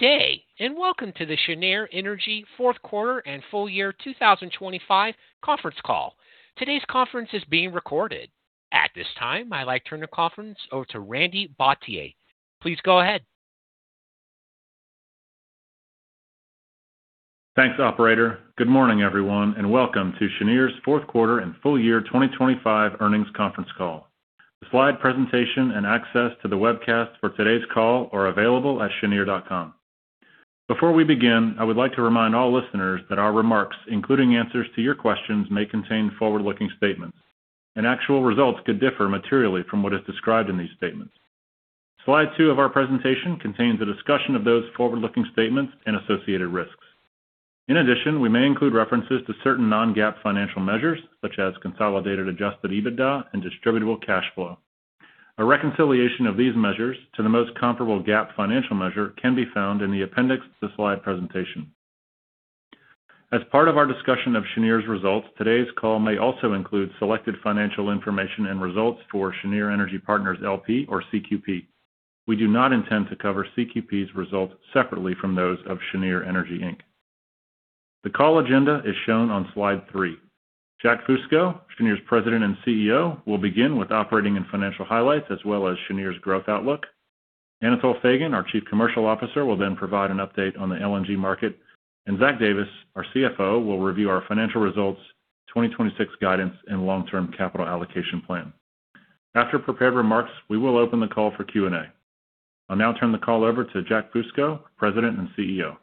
Good day. Welcome to the Cheniere Energy Fourth Quarter and Full Year 2025 Conference Call. Today's conference is being recorded. At this time, I'd like to turn the conference over to Randy Bhatia. Please go ahead. Thanks, operator. Good morning, everyone, and welcome to Cheniere's Fourth Quarter and Full Year 2025 Earnings Conference Call. The slide presentation and access to the webcast for today's call are available at cheniere.com. Before we begin, I would like to remind all listeners that our remarks, including answers to your questions, may contain forward-looking statements, and actual results could differ materially from what is described in these statements. Slide two of our presentation contains a discussion of those forward-looking statements and associated risks. In addition, we may include references to certain non-GAAP financial measures, such as consolidated adjusted EBITDA and distributable cash flow. A reconciliation of these measures to the most comparable GAAP financial measure can be found in the appendix to slide presentation. As part of our discussion of Cheniere's results, today's call may also include selected financial information and results for Cheniere Energy Partners, L.P. or CQP. We do not intend to cover CQP's results separately from those of Cheniere Energy, Inc. The call agenda is shown on slide three. Jack Fusco, Cheniere's President and CEO, will begin with operating and financial highlights as well as Cheniere's growth outlook. Anatol Feygin, our Chief Commercial Officer, will then provide an update on the LNG market, and Zach Davis, our CFO, will review our financial results, 2026 guidance, and long-term capital allocation plan. After prepared remarks, we will open the call for Q&A. I'll now turn the call over to Jack Fusco, President and CEO.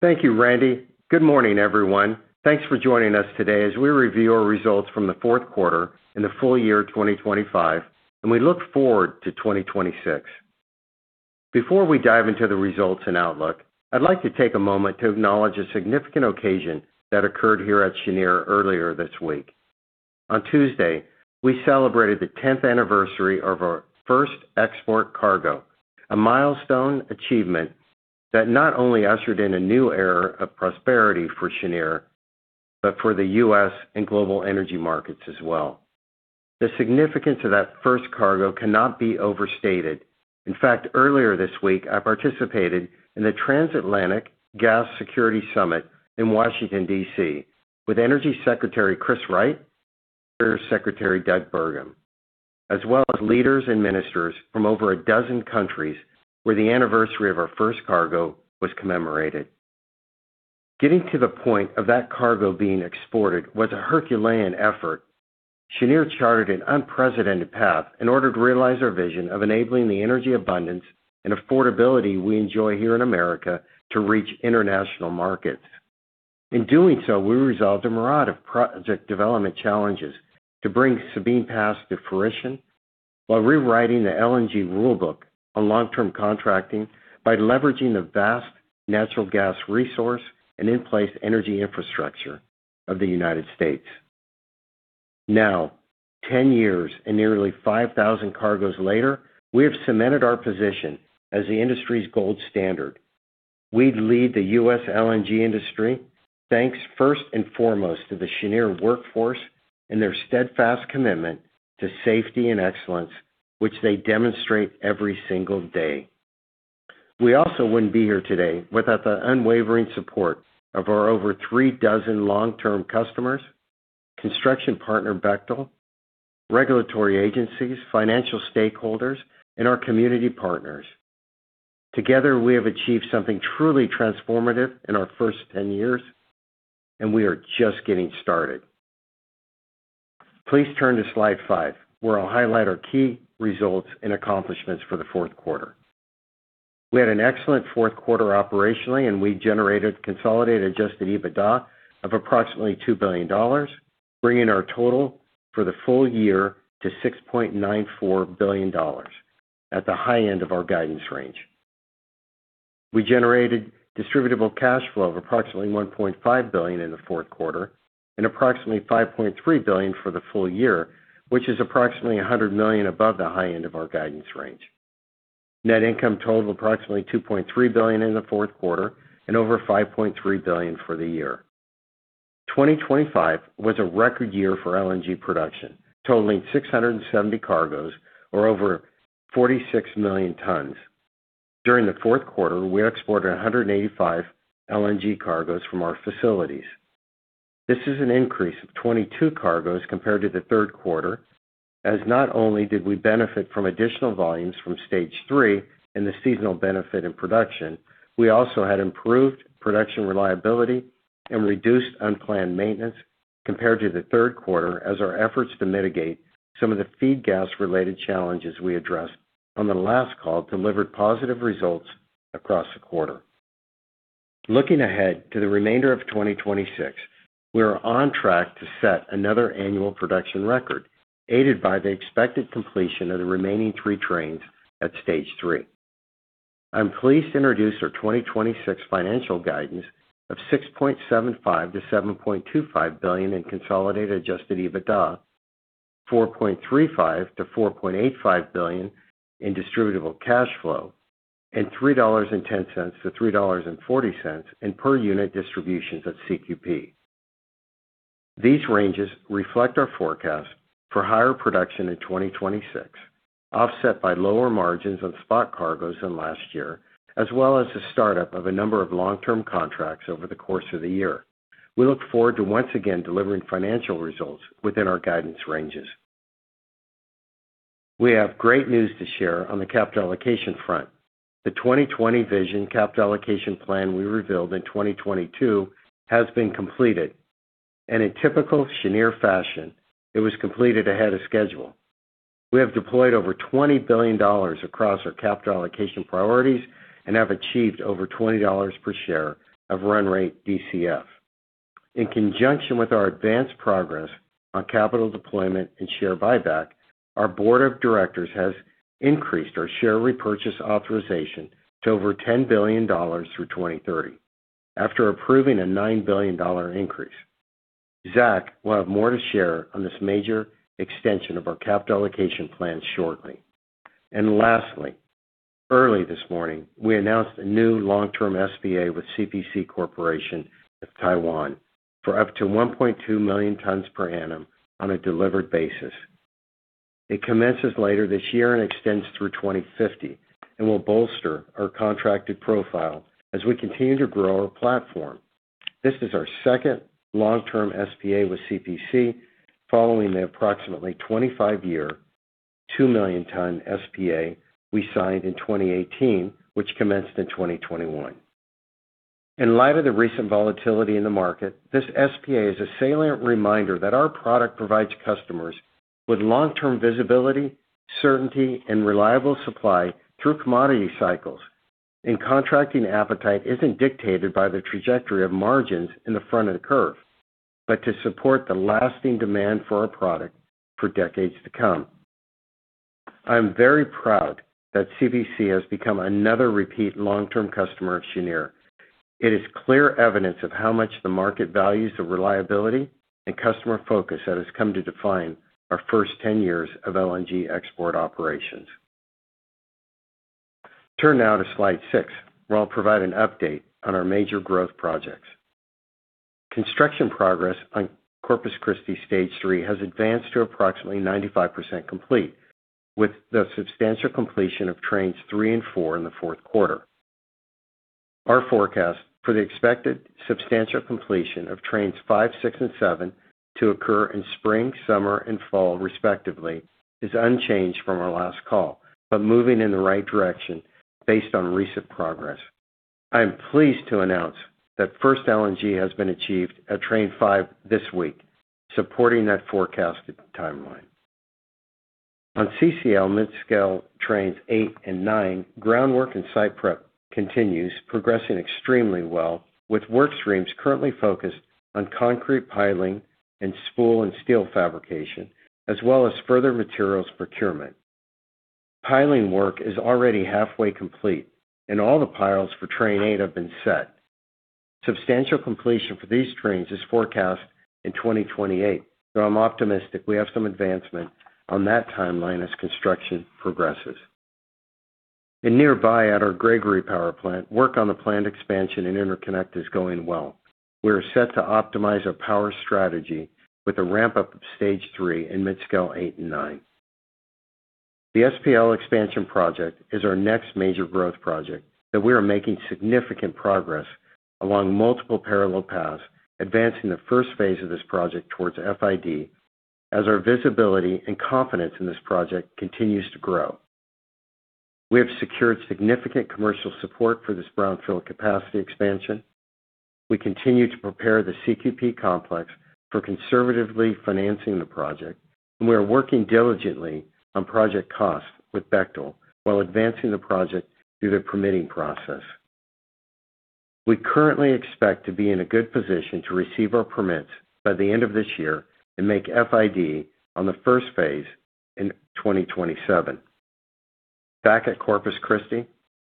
Thank you, Randy. Good morning, everyone. Thanks for joining us today as we review our results from the fourth quarter and the full year 2025. We look forward to 2026. Before we dive into the results and outlook, I'd like to take a moment to acknowledge a significant occasion that occurred here at Cheniere earlier this week. On Tuesday, we celebrated the 10th anniversary of our first export cargo, a milestone achievement that not only ushered in a new era of prosperity for Cheniere, but for the U.S. and global energy markets as well. The significance of that first cargo cannot be overstated. In fact, earlier this week, I participated in the Transatlantic Gas Security Summit in Washington, D.C., with Energy Secretary Chris Wright, Secretary Doug Burgum, as well as leaders and ministers from over a dozen countries, where the anniversary of our first cargo was commemorated. Getting to the point of that cargo being exported was a herculean effort. Cheniere charted an unprecedented path in order to realize our vision of enabling the energy, abundance, and affordability we enjoy here in America to reach international markets. In doing so, we resolved a myriad of project development challenges to bring Sabine Pass to fruition while rewriting the LNG rulebook on long-term contracting by leveraging the vast natural gas resource and in-place energy infrastructure of the United States. Now, 10 years and nearly 5,000 cargoes later, we have cemented our position as the industry's gold standard. We lead the U.S. LNG industry, thanks first and foremost to the Cheniere workforce and their steadfast commitment to safety and excellence, which they demonstrate every single day. We also wouldn't be here today without the unwavering support of our over three dozen long-term customers, construction partner, Bechtel, regulatory agencies, financial stakeholders, and our community partners. Together, we have achieved something truly transformative in our first 10 years. We are just getting started. Please turn to slide 5, where I'll highlight our key results and accomplishments for the fourth quarter. We had an excellent fourth quarter operationally. We generated consolidated adjusted EBITDA of approximately $2 billion, bringing our total for the full year to $6.94 billion at the high end of our guidance range. We generated distributable cash flow of approximately $1.5 billion in the fourth quarter and approximately $5.3 billion for the full year, which is approximately $100 million above the high end of our guidance range. Net income totaled approximately $2.3 billion in the fourth quarter and over $5.3 billion for the year. 2025 was a record year for LNG production, totaling 670 cargoes or over 46 million tons. During the fourth quarter, we exported 185 LNG cargoes from our facilities. This is an increase of 22 cargoes compared to the third quarter, as not only did we benefit from additional volumes from Stage 3 and the seasonal benefit in production, we also had improved production reliability and reduced unplanned maintenance compared to the third quarter, as our efforts to mitigate some of the feed gas-related challenges we addressed on the last call delivered positive results across the quarter. Looking ahead to the remainder of 2026, we are on track to set another annual production record, aided by the expected completion of the remaining three trains at Stage 3. I'm pleased to introduce our 2026 financial guidance of $6.75 billion-$7.25 billion in consolidated adjusted EBITDA, $4.35 billion-$4.85 billion in distributable cash flow, and $3.10-$3.40 in per unit distributions at CQP. These ranges reflect our forecast for higher production in 2026, offset by lower margins on spot cargoes than last year, as well as the startup of a number of long-term contracts over the course of the year. We look forward to once again delivering financial results within our guidance ranges. We have great news to share on the capital allocation front. The 2020 Vision Capital Allocation Plan we revealed in 2022 has been completed, and in typical Cheniere fashion, it was completed ahead of schedule. We have deployed over $20 billion across our capital allocation priorities and have achieved over $20 per share of run rate DCF. In conjunction with our advanced progress on capital deployment and share buyback, our board of directors has increased our share repurchase authorization to over $10 billion through 2030, after approving a $9 billion increase. Zach will have more to share on this major extension of our capital allocation plan shortly. Lastly, early this morning, we announced a new long-term SPA with CPC Corporation, Taiwan for up to 1.2 million tons per annum on a delivered basis. It commences later this year and extends through 2050 and will bolster our contracted profile as we continue to grow our platform. This is our second long-term SPA with CPC, following the approximately 25-year, 2 million ton SPA we signed in 2018, which commenced in 2021. In light of the recent volatility in the market, this SPA is a salient reminder that our product provides customers with long-term visibility, certainty, and reliable supply through commodity cycles. Contracting appetite isn't dictated by the trajectory of margins in the front of the curve, but to support the lasting demand for our product for decades to come. I'm very proud that CPC has become another repeat long-term customer of Cheniere. It is clear evidence of how much the market values the reliability and customer focus that has come to define our first 10 years of LNG export operations. Turn now to Slide 6, where I'll provide an update on our major growth projects. Construction progress on Corpus Christi Stage 3 has advanced to approximately 95% complete, with the substantial completion of Trains 3 and 4 in the fourth quarter. Our forecast for the expected substantial completion of Trains 5, 6, and 7 to occur in spring, summer, and fall, respectively, is unchanged from our last call, but moving in the right direction based on recent progress. I am pleased to announce that first LNG has been achieved at Train 5 this week, supporting that forecasted timeline. On CCL Midscale Trains 8 and 9, groundwork and site prep continues, progressing extremely well, with work streams currently focused on concrete piling and spool and steel fabrication, as well as further materials procurement. Piling work is already halfway complete, and all the piles for Train 8 have been set. Substantial completion for these trains is forecast in 2028. I'm optimistic we have some advancement on that timeline as construction progresses. Nearby, at our Gregory Power Plant, work on the planned expansion and interconnect is going well. We are set to optimize our power strategy with a ramp-up of Stage 3 in Midscale 8 and 9. The SPL expansion project is our next major growth project, that we are making significant progress along multiple parallel paths, advancing the first phase of this project towards FID. As our visibility and confidence in this project continues to grow, we have secured significant commercial support for this brownfield capacity expansion. We continue to prepare the CQP complex for conservatively financing the project. We are working diligently on project costs with Bechtel while advancing the project through the permitting process. We currently expect to be in a good position to receive our permits by the end of this year and make FID on the first phase in 2027. Back at Corpus Christi,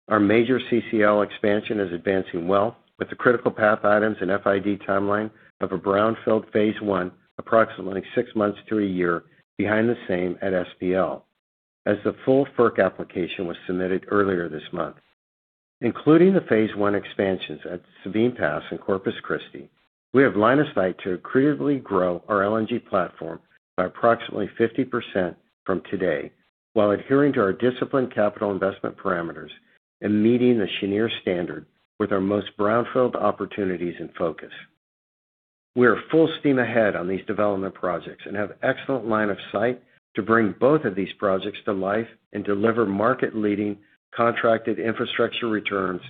our major CCL expansion is advancing well, with the critical path items and FID timeline of a brownfield Phase One, approximately six months to a year behind the same at SPL, as the full FERC application was submitted earlier this month. Including the Phase One expansions at Sabine Pass and Corpus Christi, we have line of sight to accretively grow our LNG platform by approximately 50% from today, while adhering to our disciplined capital investment parameters and meeting the Cheniere standard with our most brownfield opportunities in focus. We are full steam ahead on these development projects and have excellent line of sight to bring both of these projects to life and deliver market-leading contracted infrastructure returns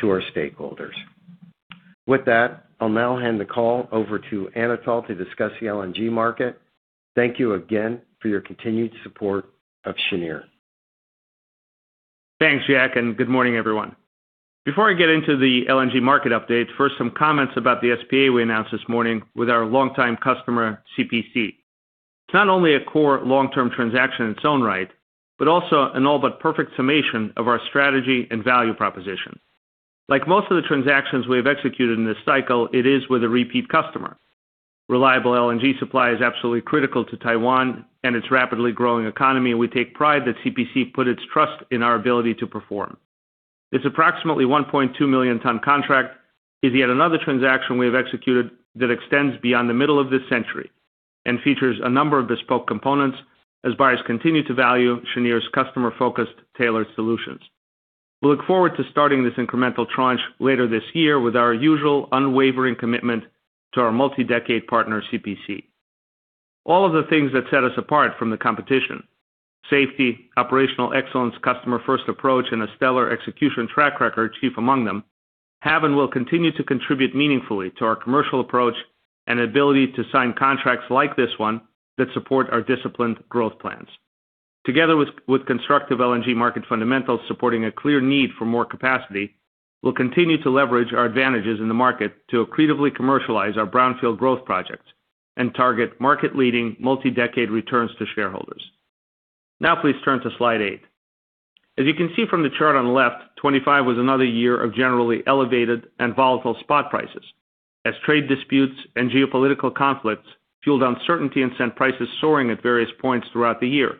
to our stakeholders. With that, I'll now hand the call over to Anatol to discuss the LNG market. Thank you again for your continued support of Cheniere. Thanks, Jack, and good morning, everyone. Before I get into the LNG market update, first, some comments about the SPA we announced this morning with our longtime customer, CPC. It's not only a core long-term transaction in its own right, but also an all but perfect summation of our strategy and value proposition. Like most of the transactions we have executed in this cycle, it is with a repeat customer. Reliable LNG supply is absolutely critical to Taiwan and its rapidly growing economy, and we take pride that CPC put its trust in our ability to perform. This approximately 1.2 million ton contract is yet another transaction we have executed that extends beyond the middle of this century and features a number of bespoke components as buyers continue to value Cheniere's customer-focused tailored solutions. We look forward to starting this incremental tranche later this year with our usual unwavering commitment to our multi-decade partner, CPC. All of the things that set us apart from the competition, safety, operational excellence, customer-first approach, and a stellar execution track record, chief among them, have and will continue to contribute meaningfully to our commercial approach and ability to sign contracts like this one that support our disciplined growth plans. Together with constructive LNG market fundamentals supporting a clear need for more capacity, we'll continue to leverage our advantages in the market to accretively commercialize our brownfield growth projects and target market-leading, multi-decade returns to shareholders. Please turn to slide eight. As you can see from the chart on the left, 2025 was another year of generally elevated and volatile spot prices, as trade disputes and geopolitical conflicts fueled uncertainty and sent prices soaring at various points throughout the year.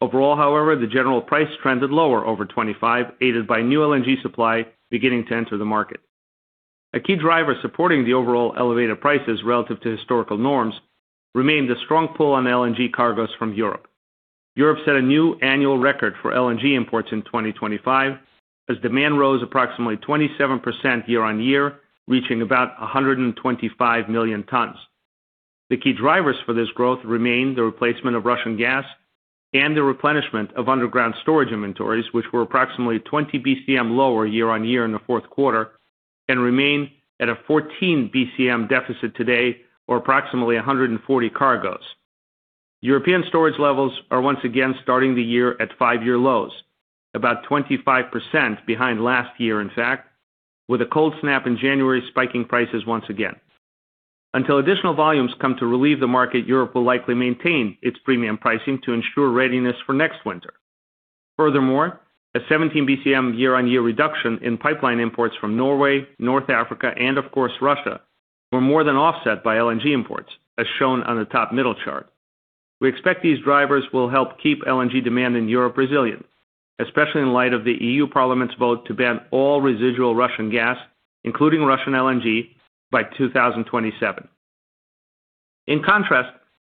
Overall, however, the general price trended lower over 2025, aided by new LNG supply beginning to enter the market. A key driver supporting the overall elevated prices relative to historical norms remained a strong pull on LNG cargos from Europe. Europe set a new annual record for LNG imports in 2025, as demand rose approximately 27% year-on-year, reaching about 125 million tons. The key drivers for this growth remain the replacement of Russian gas and the replenishment of underground storage inventories, which were approximately 20 BCM lower year-on-year in the fourth quarter and remain at a 14 BCM deficit today, or approximately 140 cargos. European storage levels are once again starting the year at 5-year lows, about 25% behind last year, in fact, with a cold snap in January spiking prices once again. Until additional volumes come to relieve the market, Europe will likely maintain its premium pricing to ensure readiness for next winter. Furthermore, a 17 BCM year-on-year reduction in pipeline imports from Norway, North Africa, and of course, Russia, were more than offset by LNG imports, as shown on the top middle chart. We expect these drivers will help keep LNG demand in Europe resilient, especially in light of the European Parliament's vote to ban all residual Russian gas, including Russian LNG, by 2027. In contrast,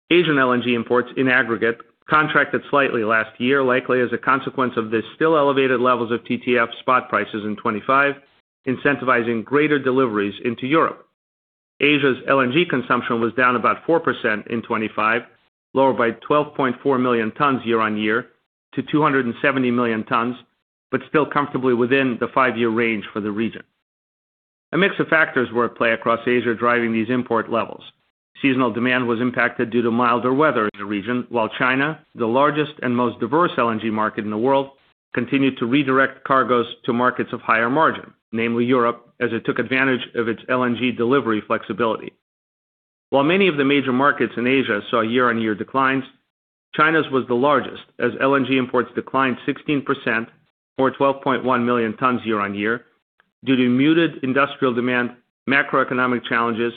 Asian LNG imports in aggregate contracted slightly last year, likely as a consequence of the still elevated levels of TTF spot prices in 2025, incentivizing greater deliveries into Europe. Asia's LNG consumption was down about 4% in 2025, lower by 12.4 million tons year-on-year to 270 million tons, but still comfortably within the five-year range for the region. A mix of factors were at play across Asia, driving these import levels. Seasonal demand was impacted due to milder weather in the region, while China, the largest and most diverse LNG market in the world, continued to redirect cargos to markets of higher margin, namely Europe, as it took advantage of its LNG delivery flexibility. While many of the major markets in Asia saw year-on-year declines, China's was the largest, as LNG imports declined 16% or 12.1 million tons year-on-year, due to muted industrial demand, macroeconomic challenges,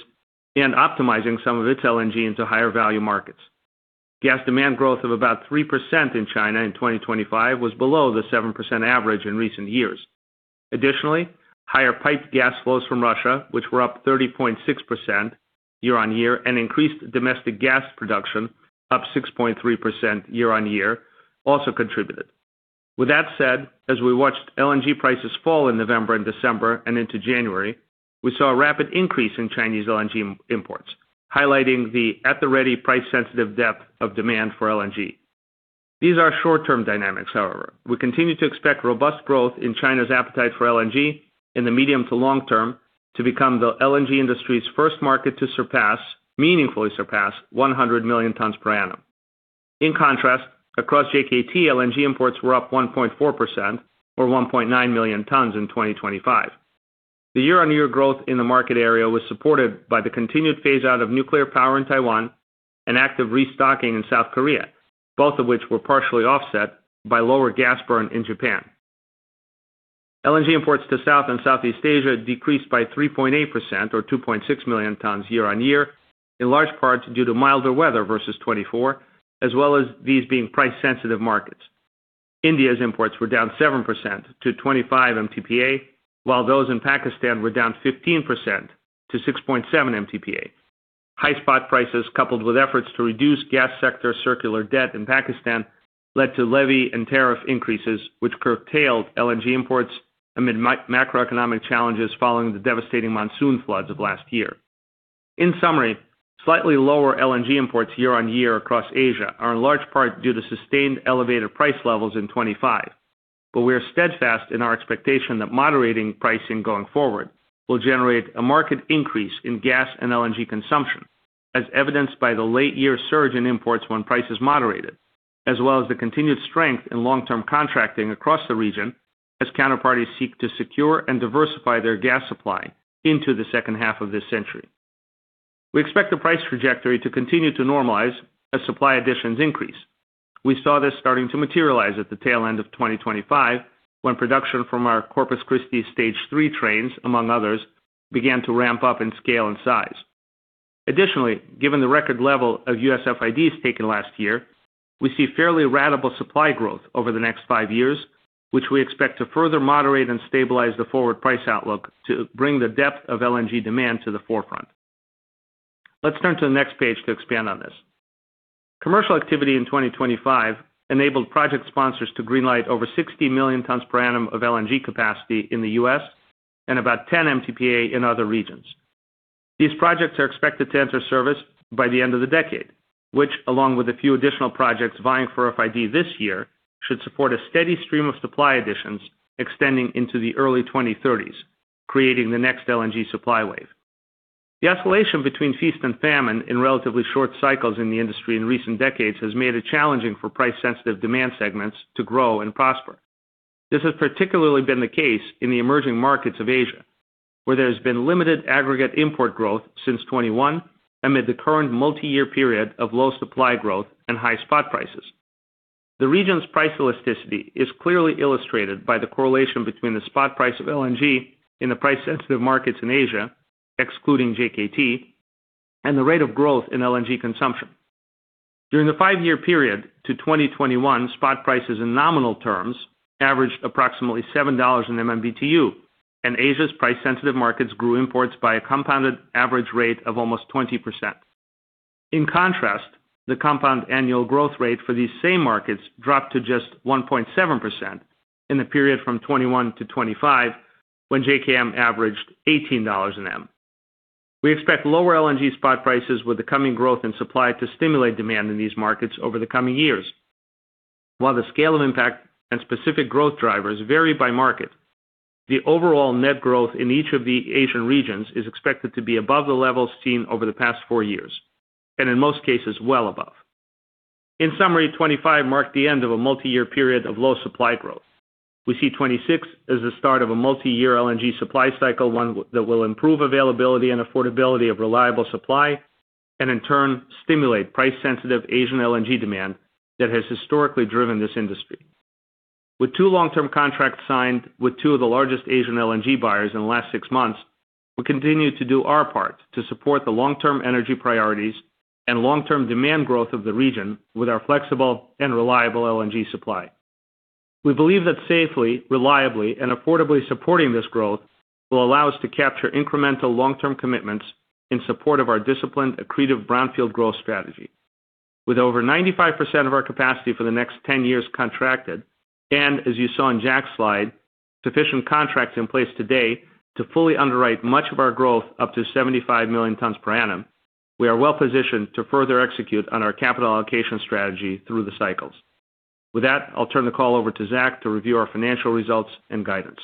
and optimizing some of its LNG into higher value markets. Gas demand growth of about 3% in China in 2025 was below the 7% average in recent years. Additionally, higher piped gas flows from Russia, which were up 30.6% year-on-year, and increased domestic gas production, up 6.3% year-on-year, also contributed. With that said, as we watched LNG prices fall in November and December and into January, we saw a rapid increase in Chinese LNG imports, highlighting the at-the-ready price-sensitive depth of demand for LNG. These are short-term dynamics, however. We continue to expect robust growth in China's appetite for LNG in the medium to long term to become the LNG industry's first market to surpass, meaningfully surpass, 100 million tons per annum. In contrast, across JKT, LNG imports were up 1.4%, or 1.9 million tons in 2025. The year-on-year growth in the market area was supported by the continued phase-out of nuclear power in Taiwan and active restocking in South Korea, both of which were partially offset by lower gas burn in Japan. LNG imports to South and Southeast Asia decreased by 3.8%, or 2.6 million tons year-on-year, in large part due to milder weather versus 2024, as well as these being price-sensitive markets. India's imports were down 7% to 25 MTPA, while those in Pakistan were down 15% to 6.7 MTPA. High spot prices, coupled with efforts to reduce gas sector circular debt in Pakistan, led to levy and tariff increases, which curtailed LNG imports amid macroeconomic challenges following the devastating monsoon floods of last year. In summary, slightly lower LNG imports year-on-year across Asia are in large part due to sustained elevated price levels in 2025. We are steadfast in our expectation that moderating pricing going forward will generate a market increase in gas and LNG consumption, as evidenced by the late-year surge in imports when prices moderated, as well as the continued strength in long-term contracting across the region as counterparties seek to secure and diversify their gas supply into the second half of this century. We expect the price trajectory to continue to normalize as supply additions increase. We saw this starting to materialize at the tail end of 2025, when production from our Corpus Christi Stage 3 trains, among others, began to ramp up in scale and size. Additionally, given the record level of U.S. FIDs taken last year, we see fairly ratable supply growth over the next five years, which we expect to further moderate and stabilize the forward price outlook to bring the depth of LNG demand to the forefront. Let's turn to the next page to expand on this. Commercial activity in 2025 enabled project sponsors to greenlight over 60 million tons per annum of LNG capacity in the U.S., and about 10 MTPA in other regions. These projects are expected to enter service by the end of the decade, which, along with a few additional projects vying for FID this year, should support a steady stream of supply additions extending into the early 2030s, creating the next LNG supply wave. The oscillation between feast and famine in relatively short cycles in the industry in recent decades has made it challenging for price-sensitive demand segments to grow and prosper. This has particularly been the case in the emerging markets of Asia, where there has been limited aggregate import growth since 2021, amid the current multi-year period of low supply growth and high spot prices. The region's price elasticity is clearly illustrated by the correlation between the spot price of LNG in the price-sensitive markets in Asia, excluding JKT, and the rate of growth in LNG consumption. During the five-year period to 2021, spot prices in nominal terms averaged approximately $7 in MMBtu, and Asia's price-sensitive markets grew imports by a compounded average rate of almost 20%. The compound annual growth rate for these same markets dropped to just 1.7% in the period from 2021-2025, when JKM averaged $18/MMBtu. We expect lower LNG spot prices with the coming growth in supply to stimulate demand in these markets over the coming years. While the scale of impact and specific growth drivers vary by market, the overall net growth in each of the Asian regions is expected to be above the levels seen over the past four years, and in most cases, well above. In summary, 2025 marked the end of a multi-year period of low supply growth. We see 2026 as the start of a multi-year LNG supply cycle, one that will improve availability and affordability of reliable supply, and in turn, stimulate price-sensitive Asian LNG demand that has historically driven this industry. With two long-term contracts signed with two of the largest Asian LNG buyers in the last six months, we continue to do our part to support the long-term energy priorities and long-term demand growth of the region with our flexible and reliable LNG supply. We believe that safely, reliably, and affordably supporting this growth will allow us to capture incremental long-term commitments in support of our disciplined, accretive brownfield growth strategy. With over 95% of our capacity for the next 10 years contracted, and as you saw in Jack's slide, sufficient contracts in place today to fully underwrite much of our growth up to 75 million tons per annum, we are well-positioned to further execute on our capital allocation strategy through the cycles. With that, I'll turn the call over to Zach to review our financial results and guidance.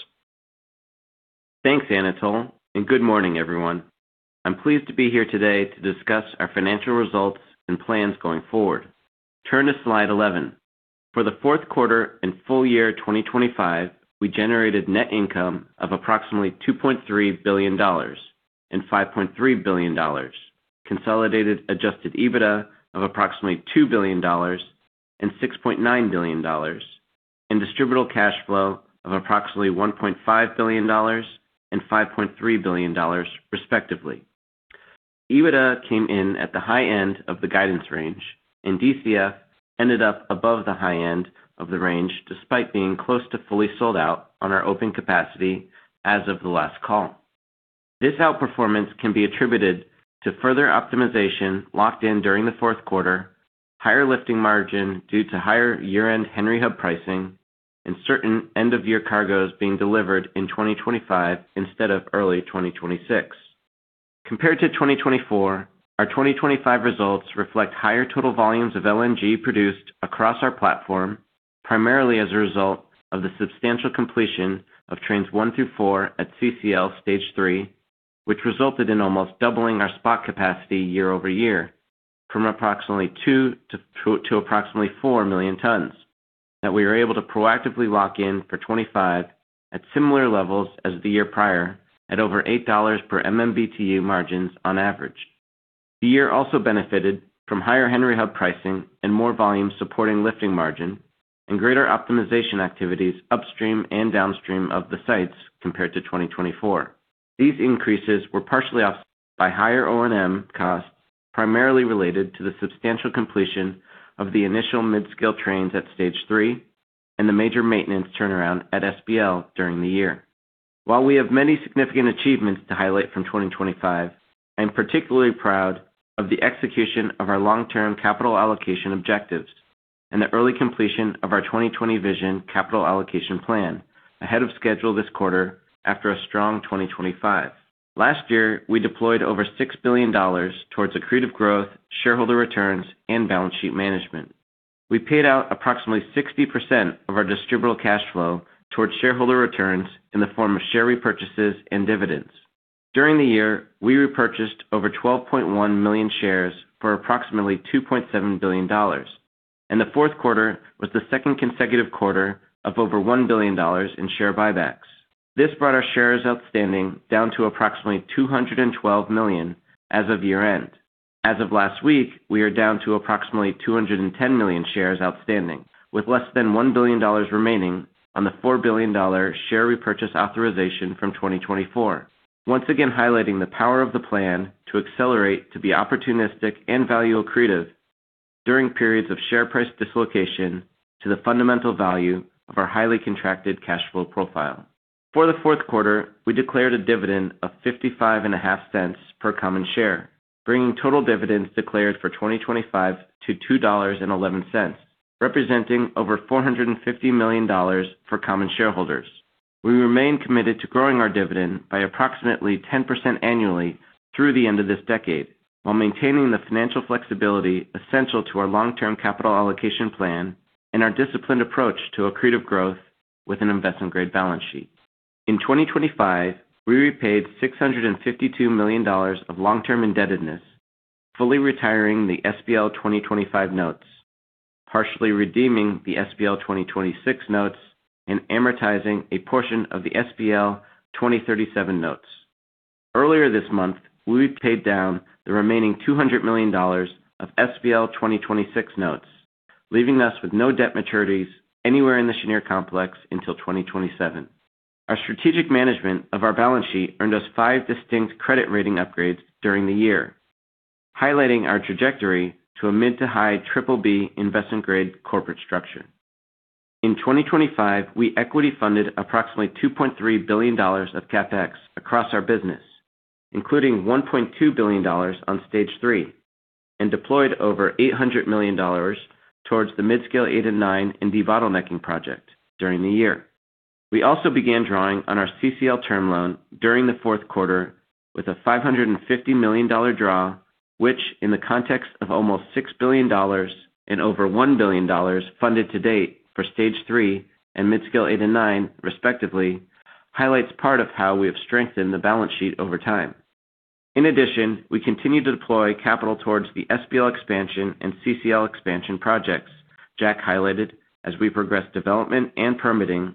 Thanks, Anatol. Good morning, everyone. I'm pleased to be here today to discuss our financial results and plans going forward. Turn to slide 11. For the fourth quarter and full year 2025, we generated net income of approximately $2.3 billion and $5.3 billion, consolidated adjusted EBITDA of approximately $2 billion and $6.9 billion, and distributable cash flow of approximately $1.5 billion and $5.3 billion, respectively. EBITDA came in at the high end of the guidance range, and DCF ended up above the high end of the range, despite being close to fully sold out on our open capacity as of the last call. This outperformance can be attributed to further optimization locked in during the fourth quarter, higher lifting margin due to higher year-end Henry Hub pricing, and certain end-of-year cargoes being delivered in 2025 instead of early 2026. Compared to 2024, our 2025 results reflect higher total volumes of LNG produced across our platform, primarily as a result of the substantial completion of Trains 1 through 4 at CCL Stage 3, which resulted in almost doubling our spot capacity year-over-year, from approximately 2 million tons to approximately 4 million tons, that we were able to proactively lock in for 2025 at similar levels as the year prior, at over $8 per MMBtu margins on average. The year also benefited from higher Henry Hub pricing and more volumes supporting lifting margin, greater optimization activities upstream and downstream of the sites compared to 2024. These increases were partially offset by higher O&M costs, primarily related to the substantial completion of the initial mid-scale trains at Stage 3 and the major maintenance turnaround at SPL during the year. While we have many significant achievements to highlight from 2025, I am particularly proud of the execution of our long-term capital allocation objectives and the early completion of our 2020 vision capital allocation plan, ahead of schedule this quarter after a strong 2025. Last year, we deployed over $6 billion towards accretive growth, shareholder returns, and balance sheet management. We paid out approximately 60% of our distributable cash flow towards shareholder returns in the form of share repurchases and dividends. During the year, we repurchased over 12.1 million shares for approximately $2.7 billion, and the fourth quarter was the second consecutive quarter of over $1 billion in share buybacks. This brought our shares outstanding down to approximately 212 million as of year-end. As of last week, we are down to approximately 210 million shares outstanding, with less than $1 billion remaining on the $4 billion share repurchase authorization from 2024. Once again, highlighting the power of the plan to accelerate, to be opportunistic and value accretive during periods of share price dislocation to the fundamental value of our highly contracted cash flow profile. For the fourth quarter, we declared a dividend of $0.555 per common share, bringing total dividends declared for 2025 to $2.11, representing over $450 million for common shareholders. We remain committed to growing our dividend by approximately 10% annually through the end of this decade, while maintaining the financial flexibility essential to our long-term capital allocation plan and our disciplined approach to accretive growth with an investment-grade balance sheet. In 2025, we repaid $652 million of long-term indebtedness, fully retiring the SPL 2025 notes, partially redeeming the SPL 2026 notes, and amortizing a portion of the SPL 2037 notes. Earlier this month, we paid down the remaining $200 million of SPL 2026 notes, leaving us with no debt maturities anywhere in the Cheniere complex until 2027. Our strategic management of our balance sheet earned us 5 distinct credit rating upgrades during the year, highlighting our trajectory to a mid-to-high BBB investment-grade corporate structure. In 2025, we equity-funded approximately $2.3 billion of CapEx across our business, including $1.2 billion on Stage 3, and deployed over $800 million towards the Midscale-8 and 9 and debottlenecking project during the year. We also began drawing on our CCL term loan during the fourth quarter with a $550 million draw, which, in the context of almost $6 billion and over $1 billion funded to date for Stage 3 and Midscale 8 and 9, respectively, highlights part of how we have strengthened the balance sheet over time. We continue to deploy capital towards the SPL expansion and CCL expansion projects. Jack highlighted as we progress development and permitting,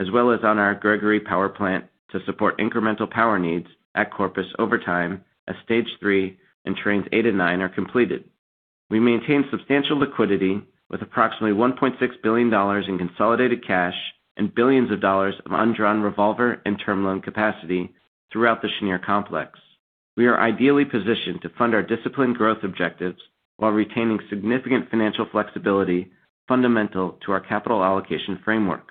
as well as on our Gregory Power Plant, to support incremental power needs at Corpus over time as Stage 3 and Trains 8 and 9 are completed. We maintain substantial liquidity with approximately $1.6 billion in consolidated cash and billions of dollars of undrawn revolver and term loan capacity throughout the Cheniere complex. We are ideally positioned to fund our disciplined growth objectives while retaining significant financial flexibility fundamental to our capital allocation framework.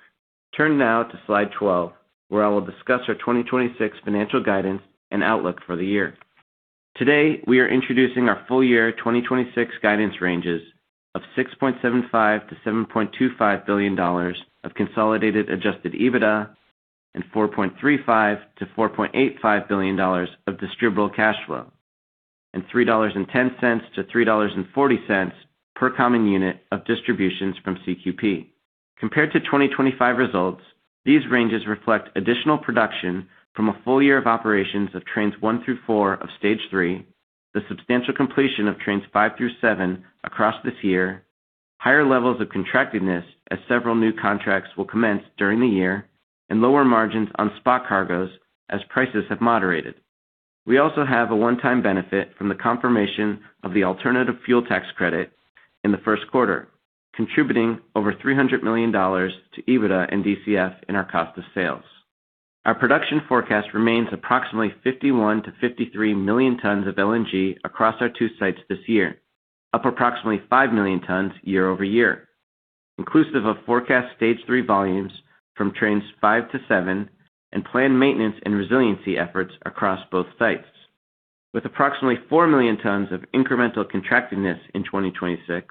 Turning now to Slide 12, where I will discuss our 2026 financial guidance and outlook for the year. Today, we are introducing our full year 2026 guidance ranges of $6.75 billion-$7.25 billion of consolidated adjusted EBITDA and $4.35 billion-$4.85 billion of distributable cash flow, and $3.10-$3.40 per common unit of distributions from CQP. Compared to 2025 results, these ranges reflect additional production from a full year of operations of Trains 1 through 4 of Stage 3, the substantial completion of Trains 5 through 7 across this year, higher levels of contractedness as several new contracts will commence during the year, and lower margins on spot cargoes as prices have moderated. We also have a one-time benefit from the confirmation of the alternative fuel tax credit in the first quarter, contributing over $300 million to EBITDA and DCF in our cost of sales. Our production forecast remains approximately 51 million-53 million tons of LNG across our two sites this year, up approximately 5 million tons year-over-year, inclusive of forecast Stage 3 volumes from Trains 5 to 7, and planned maintenance and resiliency efforts across both sites. With approximately 4 million tons of incremental contractedness in 2026,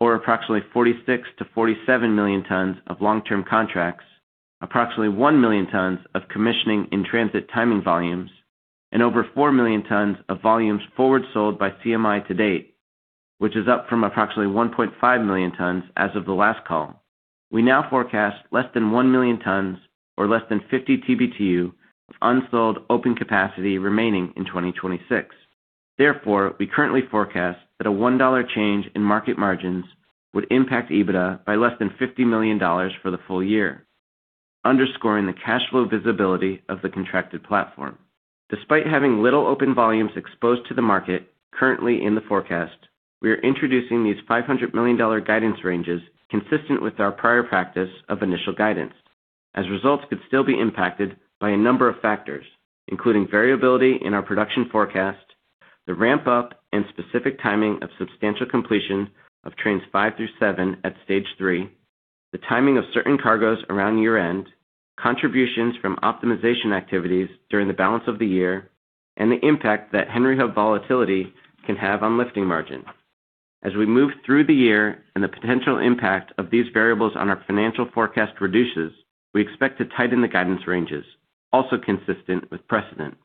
or approximately 46 million-47 million tons of long-term contracts, approximately 1 million tons of commissioning in transit timing volumes, and over 4 million tons of volumes forward sold by CMI to date, which is up from approximately 1.5 million tons as of the last call. We now forecast less than 1 million tons or less than 50 TBtu of unsold open capacity remaining in 2026. Therefore, we currently forecast that a $1 change in market margins would impact EBITDA by less than $50 million for the full year, underscoring the cash flow visibility of the contracted platform. Despite having little open volumes exposed to the market currently in the forecast, we are introducing these $500 million guidance ranges, consistent with our prior practice of initial guidance, as results could still be impacted by a number of factors, including variability in our production forecast, the ramp-up and specific timing of substantial completion of Trains 5 through 7 at Stage 3, the timing of certain cargoes around year-end, contributions from optimization activities during the balance of the year, and the impact that Henry Hub volatility can have on lifting margins. As we move through the year and the potential impact of these variables on our financial forecast reduces, we expect to tighten the guidance ranges, also consistent with precedent.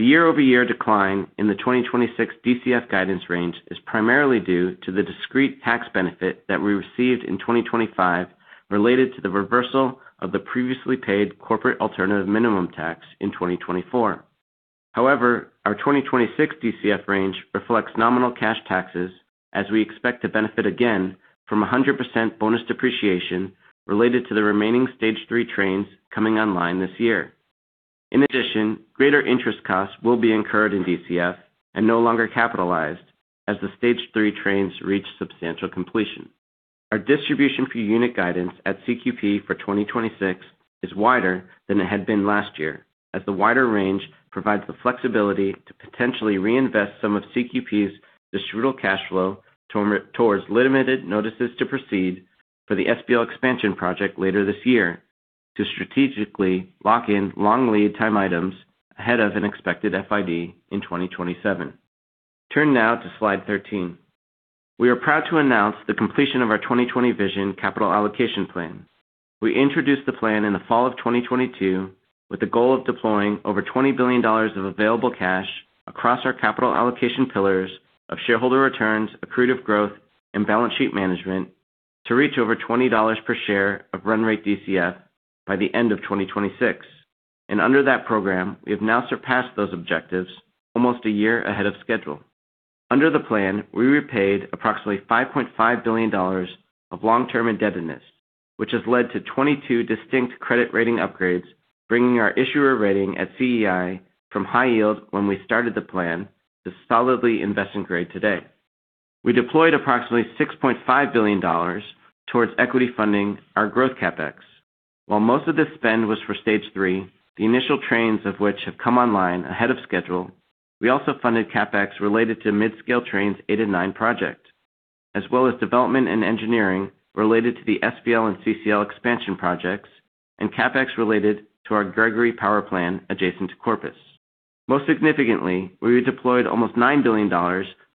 The year-over-year decline in the 2026 DCF guidance range is primarily due to the discrete tax benefit that we received in 2025, related to the reversal of the previously paid corporate alternative minimum tax in 2024. However, our 2026 DCF range reflects nominal cash taxes as we expect to benefit again from 100% bonus depreciation related to the remaining Stage 3 trains coming online this year. In addition, greater interest costs will be incurred in DCF and no longer capitalized as the Stage 3 trains reach substantial completion. Our distribution per unit guidance at CQP for 2026 is wider than it had been last year, as the wider range provides the flexibility to potentially reinvest some of CQP's distributable cash flow towards limited notices to proceed for the SPL expansion project later this year, to strategically lock in long lead time items ahead of an expected FID in 2027. Turn now to slide 13. We are proud to announce the completion of our 2020 Vision Capital Allocation Plan. We introduced the plan in the fall of 2022, with the goal of deploying over $20 billion of available cash across our capital allocation pillars of shareholder returns, accretive growth, and balance sheet management, to reach over $20 per share of run rate DCF by the end of 2026. Under that program, we have now surpassed those objectives almost a year ahead of schedule. Under the plan, we repaid approximately $5.5 billion of long-term indebtedness, which has led to 22 distinct credit rating upgrades, bringing our issuer rating at CEI from high yield when we started the plan, to solidly invest in grade today. We deployed approximately $6.5 billion towards equity funding our growth CapEx. While most of this spend was for Stage 3, the initial trains of which have come online ahead of schedule, we also funded CapEx related to Midscale Trains 8 and 9 project, as well as development and engineering related to the SPL and CCL expansion projects, and CapEx related to our Gregory Power Plant, adjacent to Corpus. Most significantly, we deployed almost $9 billion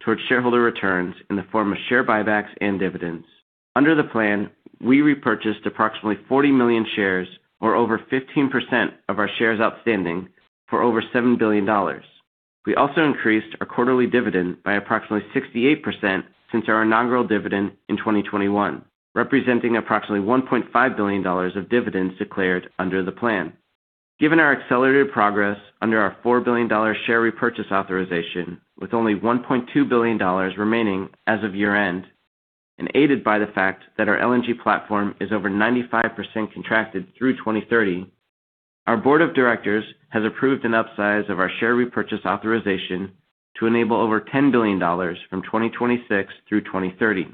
towards shareholder returns in the form of share buybacks and dividends. Under the plan, we repurchased approximately 40 million shares, or over 15% of our shares outstanding, for over $7 billion. We also increased our quarterly dividend by approximately 68% since our inaugural dividend in 2021, representing approximately $1.5 billion of dividends declared under the plan. Given our accelerated progress under our $4 billion share repurchase authorization, with only $1.2 billion remaining as of year-end, and aided by the fact that our LNG platform is over 95% contracted through 2030, our board of directors has approved an upsize of our share repurchase authorization to enable over $10 billion from 2026 through 2030.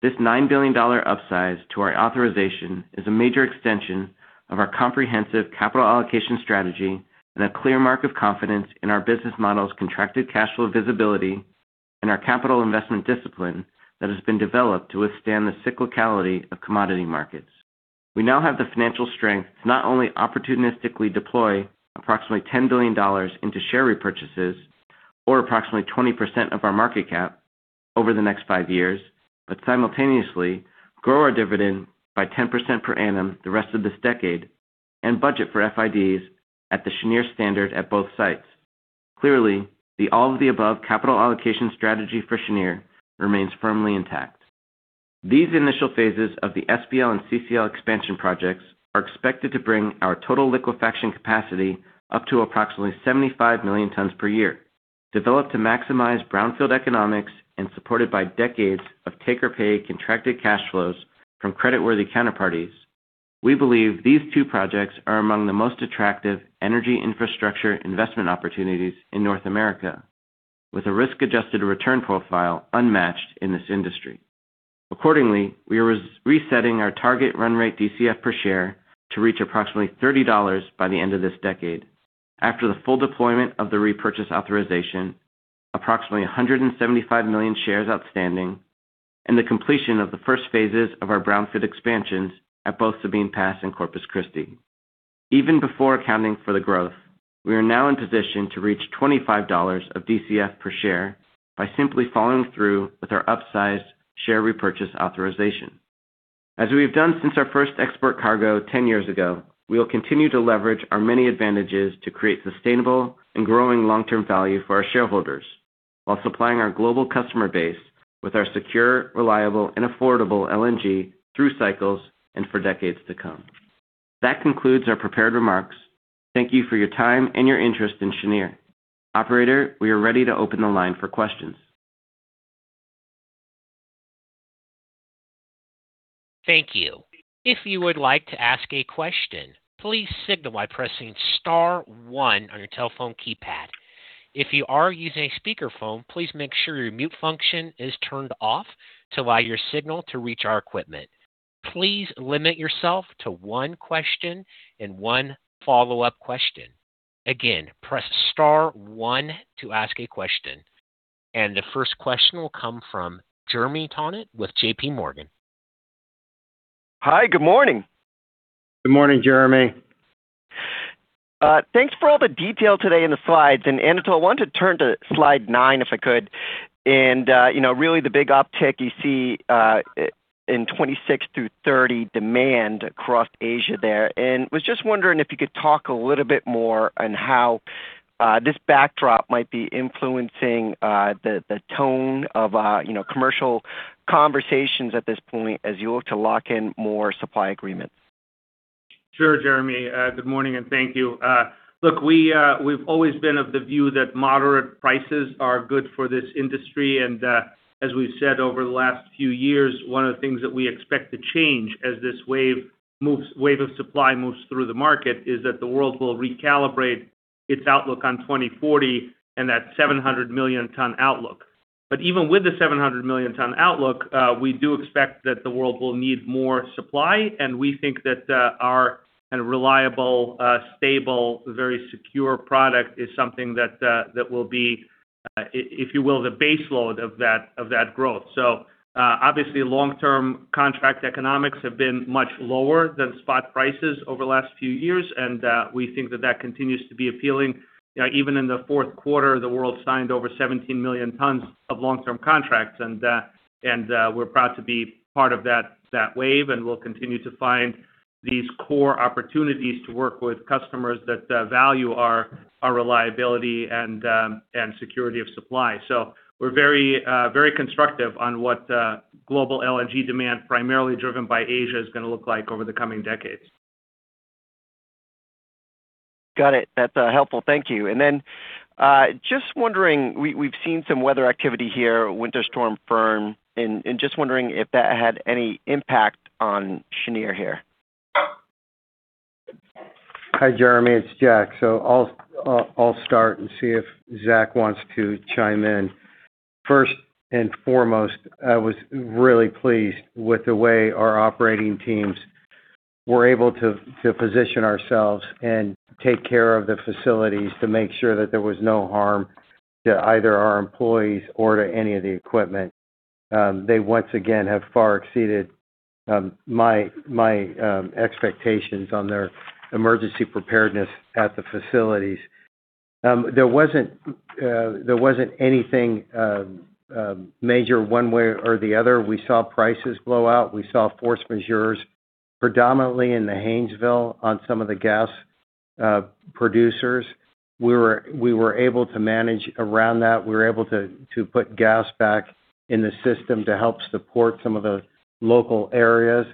This $9 billion upsize to our authorization is a major extension of our comprehensive capital allocation strategy and a clear mark of confidence in our business model's contracted cash flow visibility and our capital investment discipline that has been developed to withstand the cyclicality of commodity markets. We now have the financial strength to not only opportunistically deploy approximately $10 billion into share repurchases, or approximately 20% of our market cap over the next five years, but simultaneously grow our dividend by 10% per annum the rest of this decade and budget for FIDs at the Cheniere standard at both sites. Clearly, the all-of-the-above capital allocation strategy for Cheniere remains firmly intact. These initial phases of the SPL and CCL expansion projects are expected to bring our total liquefaction capacity up to approximately 75 million tons per year. Developed to maximize brownfield economics and supported by decades of take-or-pay contracted cash flows from creditworthy counterparties, we believe these two projects are among the most attractive energy infrastructure investment opportunities in North America, with a risk-adjusted return profile unmatched in this industry. We are resetting our target run rate DCF per share to reach approximately $30 by the end of this decade. After the full deployment of the repurchase authorization, approximately 175 million shares outstanding, and the completion of the first phases of our brownfield expansions at both Sabine Pass and Corpus Christi. Before accounting for the growth, we are now in position to reach $25 of DCF per share by simply following through with our upsized share repurchase authorization. As we have done since our first export cargo 10 years ago, we will continue to leverage our many advantages to create sustainable and growing long-term value for our shareholders, while supplying our global customer base with our secure, reliable, and affordable LNG through cycles and for decades to come. That concludes our prepared remarks. Thank you for your time and your interest in Cheniere. Operator, we are ready to open the line for questions. Thank you. If you would like to ask a question, please signal by pressing star one on your telephone keypad. If you are using a speakerphone, please make sure your mute function is turned off to allow your signal to reach our equipment. Please limit yourself to one question and one follow-up question. Again, press star one to ask a question. The first question will come from Jeremy Tonet with JPMorgan. Hi, good morning. Good morning, Jeremy. Thanks for all the detail today in the slides. Anatol, I want to turn to slide nine, if I could. You know, really the big uptick you see, in 2026-2030, demand across Asia there. Was just wondering if you could talk a little bit more on how this backdrop might be influencing the tone of, you know, commercial conversations at this point as you look to lock in more supply agreements. Sure, Jeremy, good morning, and thank you. Look, we've always been of the view that moderate prices are good for this industry, and as we've said over the last few years, one of the things that we expect to change as this wave of supply moves through the market, is that the world will recalibrate its outlook on 2040 and that 700 million ton outlook. Even with the 700 million tons outlook, we do expect that the world will need more supply, and we think that our kind of reliable, stable, very secure product is something that will be, if you will, the base load of that, of that growth. Obviously, long-term contract economics have been much lower than spot prices over the last few years, and we think that that continues to be appealing. Even in the fourth quarter, the world signed over 17 million tons of long-term contracts, and we're proud to be part of that wave, and we'll continue to find these core opportunities to work with customers that value our reliability and security of supply. We're very, very constructive on what global LNG demand, primarily driven by Asia, is gonna look like over the coming decades. Got it. That's, helpful. Thank you. Then, just wondering, we've seen some weather activity here, Winter Storm Finn, and just wondering if that had any impact on Cheniere here? Hi, Jeremy, it's Jack. I'll start and see if Zach wants to chime in. First and foremost, I was really pleased with the way our operating teams were able to position ourselves and take care of the facilities to make sure that there was no harm to either our employees or to any of the equipment. They once again have far exceeded my expectations on their emergency preparedness at the facilities. There wasn't anything major one way or the other. We saw prices blow out. We saw force majeure, predominantly in the Haynesville, on some of the gas producers. We were able to manage around that. We were able to put gas back in the system to help support some of the local areas.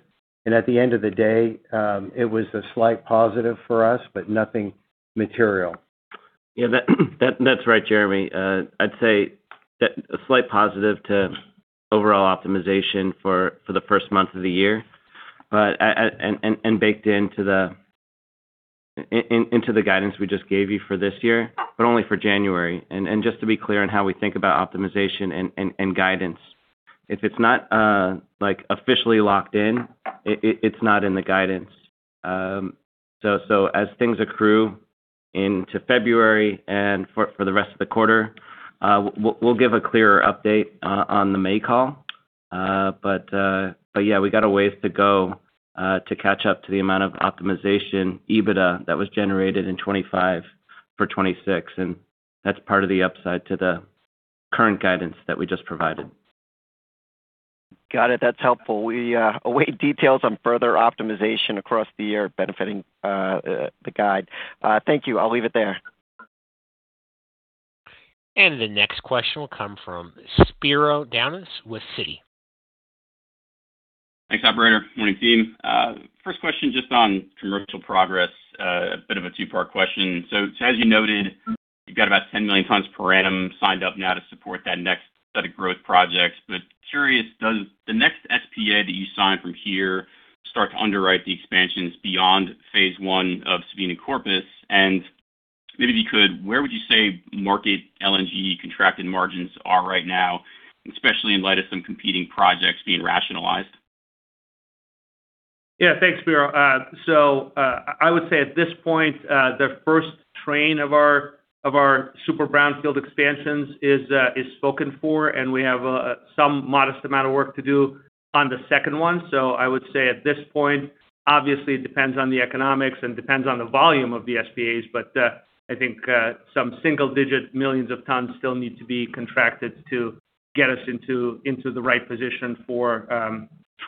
At the end of the day, it was a slight positive for us, but nothing material. Yeah, that's right, Jeremy. I'd say that a slight positive to overall optimization for the first month of the year. And baked into the guidance we just gave you for this year, but only for January. Just to be clear on how we think about optimization and guidance, if it's not, like, officially locked in, it's not in the guidance. As things accrue into February and for the rest of the quarter, we'll give a clearer update on the May call. Yeah, we got a ways to go to catch up to the amount of optimization EBITDA that was generated in 2025 for 2026, and that's part of the upside to the current guidance that we just provided. Got it. That's helpful. We await details on further optimization across the year, benefiting the guide. Thank you. I'll leave it there. The next question will come from Spiro Dounis with Citi. Thanks, operator. Morning, team. First question, just on commercial progress, a bit of a two-part question. As you noted, you've got about 10 million tons per annum signed up now to support that next set of growth projects. Curious, does the next SPA that you sign from here start to underwrite the expansions beyond phase one of Sabine Corpus? Maybe if you could, where would you say market LNG contracted margins are right now, especially in light of some competing projects being rationalized? Yeah, thanks, Spiro. I would say at this point, the first train of our, of our super brownfield expansions is spoken for, and we have some modest amount of work to do on the second one. I would say at this point, obviously, it depends on the economics and depends on the volume of the SPAs. But I think some single digit millions of tons still need to be contracted to get us into the right position for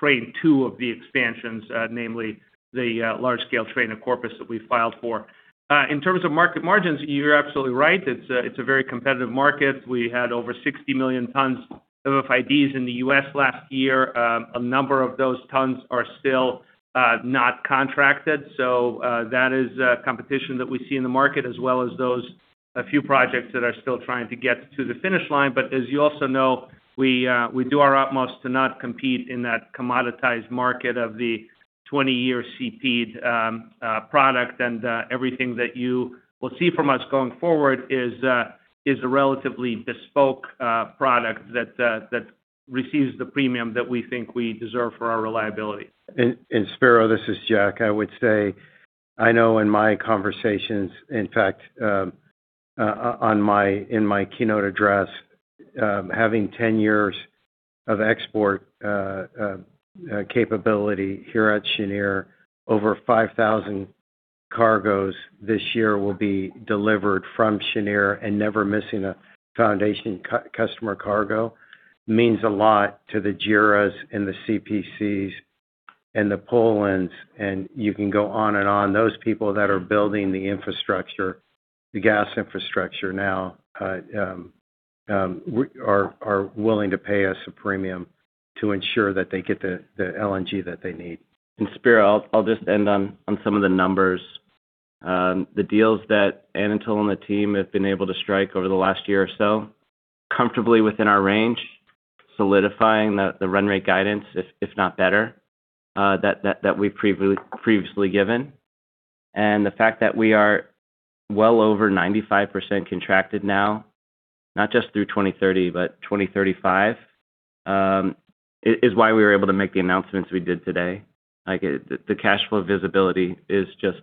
Train 2 of the expansions, namely the large-scale train of Corpus that we filed for. In terms of market margins, you're absolutely right. It's a very competitive market. We had over 60 million tons of FIDs in the U.S. last year. A number of those tons are still not contracted. That is competition that we see in the market, as well as a few projects that are still trying to get to the finish line. As you also know, we do our utmost to not compete in that commoditized market of the 20-year CP product. Everything that you will see from us going forward is a relatively bespoke product that receives the premium that we think we deserve for our reliability. Spiro, this is Jack. I would say, I know in my conversations, in fact, in my keynote address, having 10 years of export capability here at Cheniere, over 5,000 cargos this year will be delivered from Cheniere and never missing a foundation customer cargo, means a lot to the JERA's and the CPCs and the PGNiG, and you can go on and on. Those people that are building the infrastructure, the gas infrastructure now, are willing to pay us a premium to ensure that they get the LNG that they need. Spiro, I'll just end on some of the numbers. The deals that Anatol and the team have been able to strike over the last year or so, comfortably within our range, solidifying the run rate guidance if not better, that we previously given. The fact that we are well over 95% contracted now, not just through 2030, but 2035, is why we were able to make the announcements we did today. Like, the cash flow visibility is just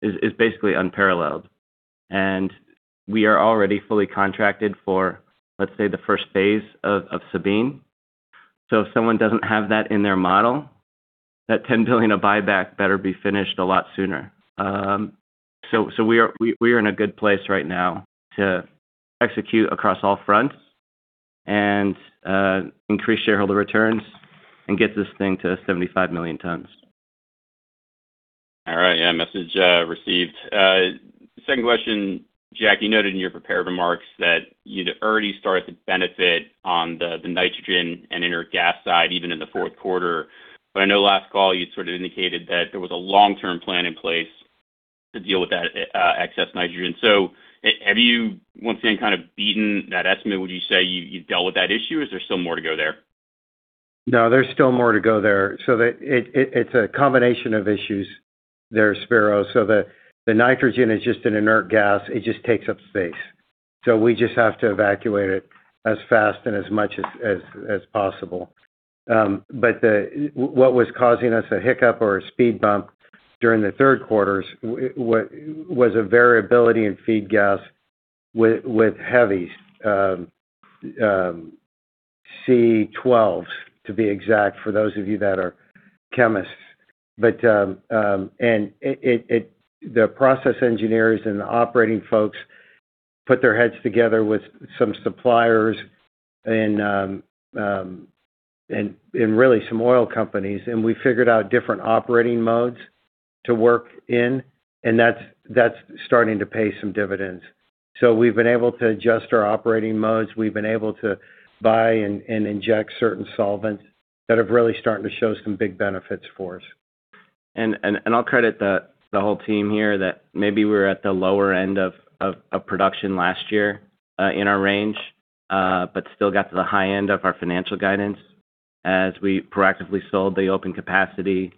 is basically unparalleled. We are already fully contracted for, let's say, the first phase of Sabine Pass. So if someone doesn't have that in their model, that $10 billion of buyback better be finished a lot sooner. We are in a good place right now to execute across all fronts and increase shareholder returns and get this thing to 75 million tons. All right. Yeah, message received. Second question. Jack, you noted in your prepared remarks that you'd already started to benefit on the nitrogen and inert gas side, even in the fourth quarter. I know last call, you sort of indicated that there was a long-term plan in place to deal with that excess nitrogen. Have you, once again, kind of beaten that estimate? Would you say you've dealt with that issue, or is there still more to go there? No, there's still more to go there. The it's a combination of issues there, Spiro. The nitrogen is just an inert gas. It just takes up space. We just have to evacuate it as fast and as much as possible. But what was causing us a hiccup or a speed bump during the third quarters was a variability in feed gas with heavies, C12s, to be exact, for those of you that are chemists. And it, the process engineers and the operating folks put their heads together with some suppliers and really some oil companies, and we figured out different operating modes to work in, and that's starting to pay some dividends. We've been able to adjust our operating modes. We've been able to buy and inject certain solvents that are really starting to show some big benefits for us. I'll credit the whole team here that maybe we're at the lower end of production last year, in our range, but still got to the high end of our financial guidance as we proactively sold the open capacity.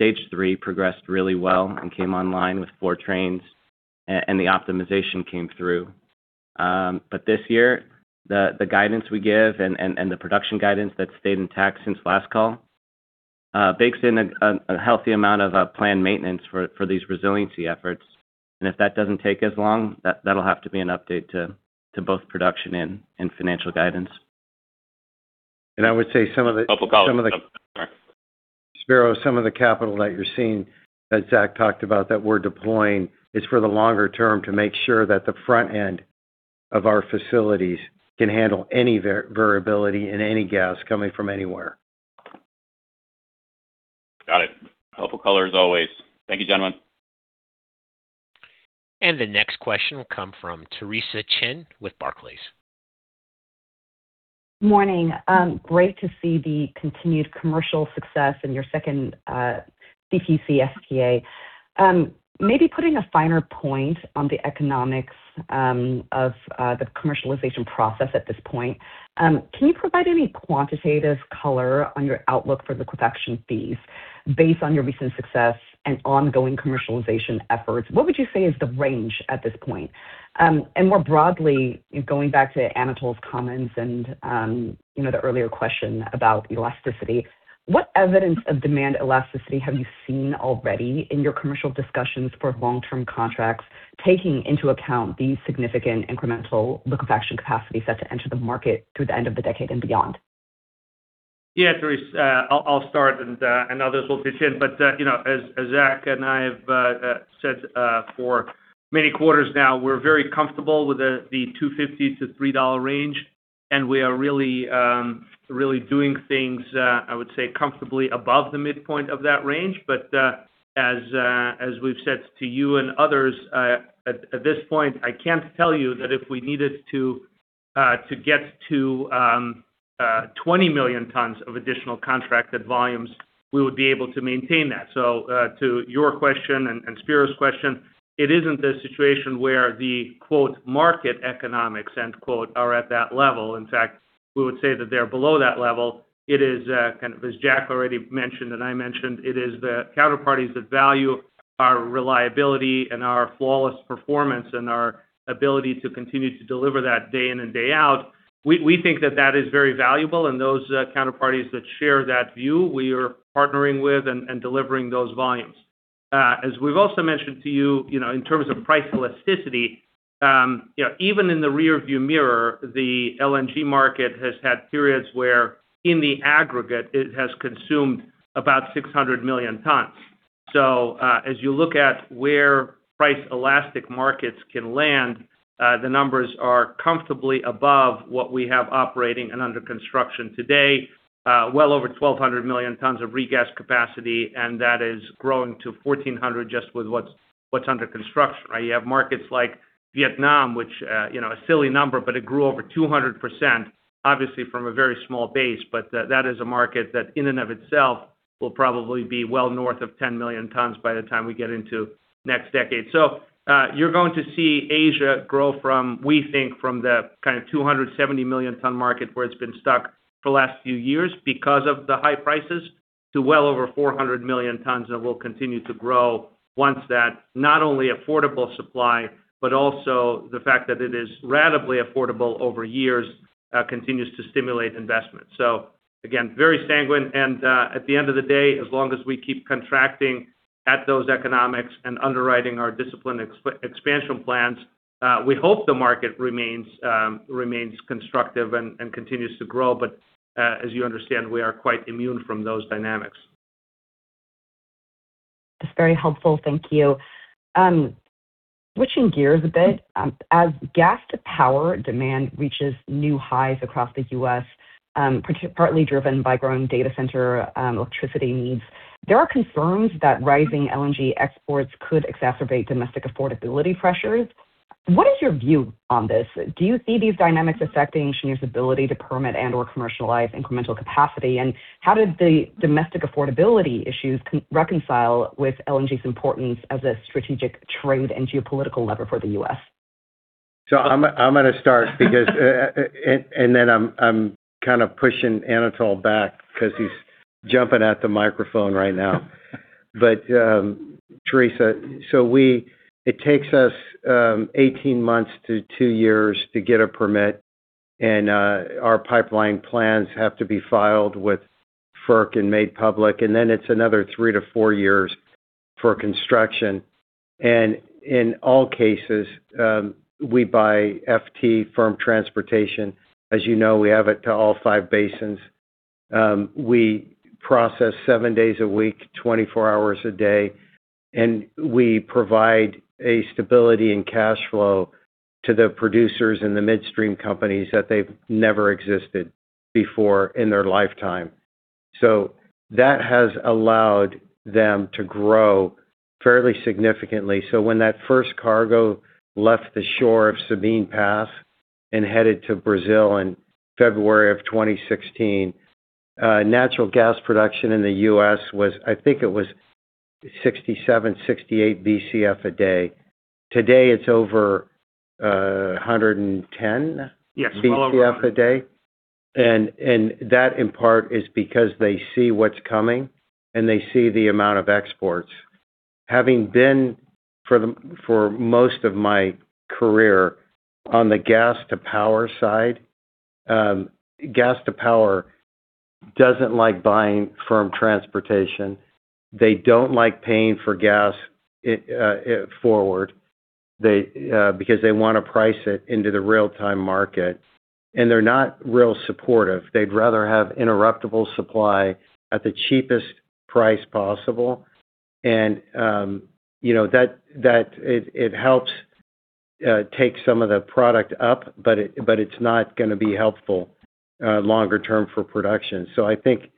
Stage 3 progressed really well and came online with 4 trains, and the optimization came through. This year, the guidance we give and the production guidance that's stayed intact since last call, bakes in a healthy amount of planned maintenance for these resiliency efforts. If that doesn't take as long, that'll have to be an update to both production and financial guidance. I would say some of. Helpful call. Spiro, some of the capital that you're seeing, that Zach talked about, that we're deploying, is for the longer term to make sure that the front end of our facilities can handle any variability in any gas coming from anywhere. Got it. Helpful color as always. Thank you, gentlemen. The next question will come from Theresa Chen with Barclays. Morning. Great to see the continued commercial success in your second CPC SPA. Maybe putting a finer point on the economics of the commercialization process at this point, can you provide any quantitative color on your outlook for the liquefaction fees based on your recent success and ongoing commercialization efforts? What would you say is the range at this point? More broadly, going back to Anatol's comments and, you know, the earlier question about elasticity, what evidence of demand elasticity have you seen already in your commercial discussions for long-term contracts, taking into account the significant incremental liquefaction capacity set to enter the market through the end of the decade and beyond? Yeah, Theresa, I'll start, and others will pitch in. You know, as Zach and I have said for many quarters now, we're very comfortable with the $2.50-$3 range, and we are really doing things, I would say, comfortably above the midpoint of that range. As we've said to you and others, at this point, I can't tell you that if we needed to get to 20 million tons of additional contracted volumes, we would be able to maintain that. To your question and Spiro's question, it isn't a situation where the market economics are at that level. In fact, we would say that they're below that level. It is kind of as Jack already mentioned and I mentioned, it is the counterparties that value our reliability and our flawless performance and our ability to continue to deliver that day in and day out. We think that that is very valuable, and those counterparties that share that view, we are partnering with and delivering those volumes. As we've also mentioned to you know, in terms of price elasticity, you know, even in the rearview mirror, the LNG market has had periods where, in the aggregate, it has consumed about 600 million tons. As you look at where price elastic markets can land, the numbers are comfortably above what we have operating and under construction today, well over 1,200 million tons of regas capacity, and that is growing to 1,400 just with what's under construction. You have markets like Vietnam, which, you know, a silly number, but it grew over 200%, obviously from a very small base. That is a market that, in and of itself, will probably be well north of 10 million tons by the time we get into next decade. You're going to see Asia grow from, we think, from the kind of 270 million ton market where it's been stuck for the last few years because of the high prices. to well over 400 million tons and will continue to grow once that not only affordable supply, but also the fact that it is ratably affordable over years, continues to stimulate investment. Again, very sanguine, and at the end of the day, as long as we keep contracting at those economics and underwriting our disciplined expansion plans, we hope the market remains constructive and continues to grow. As you understand, we are quite immune from those dynamics. That's very helpful. Thank you. Switching gears a bit, as gas-to-power demand reaches new highs across the U.S., partly driven by growing data center, electricity needs, there are concerns that rising LNG exports could exacerbate domestic affordability pressures. What is your view on this? Do you see these dynamics affecting Cheniere's ability to permit and/or commercialize incremental capacity? How did the domestic affordability issues reconcile with LNG's importance as a strategic trade and geopolitical lever for the U.S.? I'm gonna start because, and then I'm kind of pushing Anatol back 'cause he's jumping at the microphone right now. Theresa, it takes us 18 months-two years to get a permit, our pipeline plans have to be filed with FERC and made public, and then it's another three-four years for construction. In all cases, we buy FT firm transportation. As you know, we have it to all five basins. We process seven days a week, 24 hours a day, and we provide a stability in cash flow to the producers and the midstream companies that they've never existed before in their lifetime. That has allowed them to grow fairly significantly. When that first cargo left the shore of Sabine Pass and headed to Brazil in February of 2016, natural gas production in the U.S. was, I think it was 67, 68 BCF a day. Today, it's over, 110. Yes BCF a day. That, in part, is because they see what's coming, and they see the amount of exports. Having been, for most of my career on the gas-to-power side, gas-to-power doesn't like buying firm transportation. They don't like paying for gas forward. They because they wanna price it into the real-time market, and they're not real supportive. They'd rather have interruptible supply at the cheapest price possible. You know, that it helps take some of the product up, but it's not gonna be helpful longer term for production. I think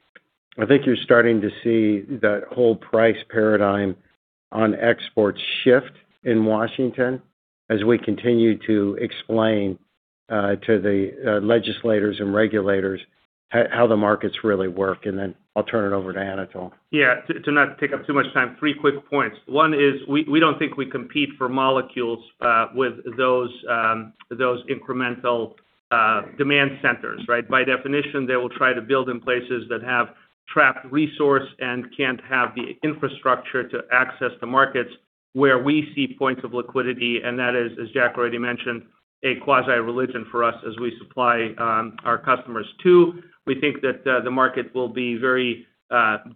you're starting to see that whole price paradigm on exports shift in Washington as we continue to explain to the legislators and regulators how the markets really work. I'll turn it over to Anatol. Yeah. To not take up too much time, three quick points. One is we don't think we compete for molecules with those incremental demand centers, right? By definition, they will try to build in places that have trapped resource and can't have the infrastructure to access the markets where we see points of liquidity, and that is, as Jack already mentioned, a quasi-religion for us as we supply our customers too. We think that the market will be very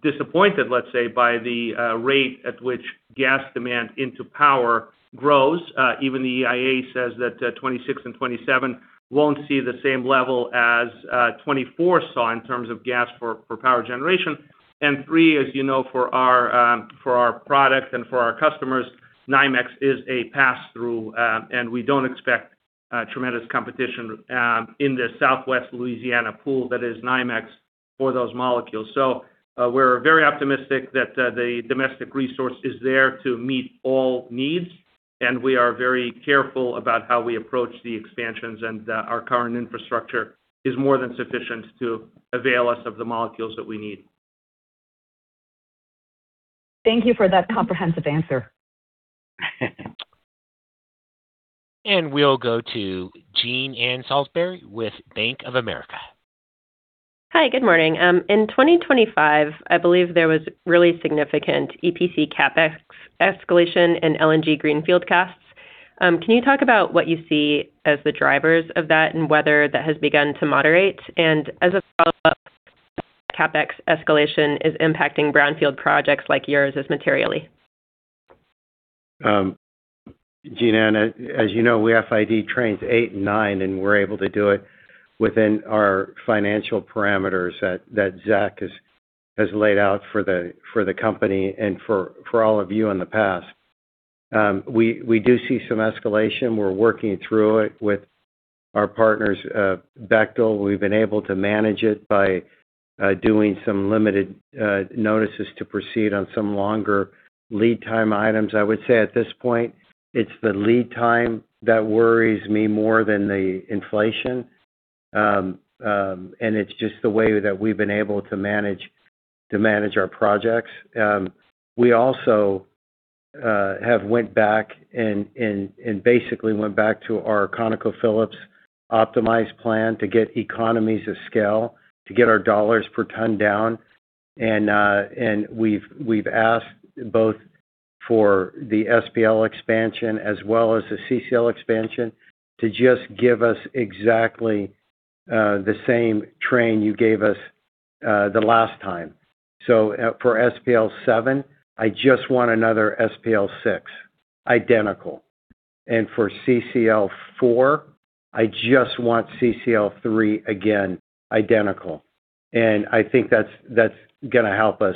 disappointed, let's say, by the rate at which gas demand into power grows. Even the EIA says that 2026 and 2027 won't see the same level as 2024 saw in terms of gas for power generation. Three, as you know, for our product and for our customers, NYMEX is a pass-through, and we don't expect tremendous competition in the Southwest Louisiana pool that is NYMEX for those molecules. We're very optimistic that the domestic resource is there to meet all needs, and we are very careful about how we approach the expansions and our current infrastructure is more than sufficient to avail us of the molecules that we need. Thank you for that comprehensive answer. We'll go to Jean Ann Salisbury with Bank of America. Hi, good morning. In 2025, I believe there was really significant EPC CapEx escalation in LNG greenfield costs. Can you talk about what you see as the drivers of that and whether that has begun to moderate? As a follow-up, CapEx escalation is impacting brownfield projects like yours as materially? Jean Ann, as you know, we FID trains 8 and 9, and we're able to do it within our financial parameters that Zach has laid out for the company and for all of you in the past. We do see some escalation. We're working through it with our partners, Bechtel. We've been able to manage it by doing some limited notices to proceed on some longer lead time items. I would say at this point, it's the lead time that worries me more than the inflation. It's just the way that we've been able to manage our projects. We also have went back and basically went back to our ConocoPhillips optimized plan to get economies of scale, to get our dollars per ton down. We've asked both for the SPL expansion as well as the CCL expansion, to just give us exactly the same train you gave us the last time. For SPL 7, I just want another SPL 6, identical. For CCL 4, I just want CCL 3 again, identical. I think that's gonna help us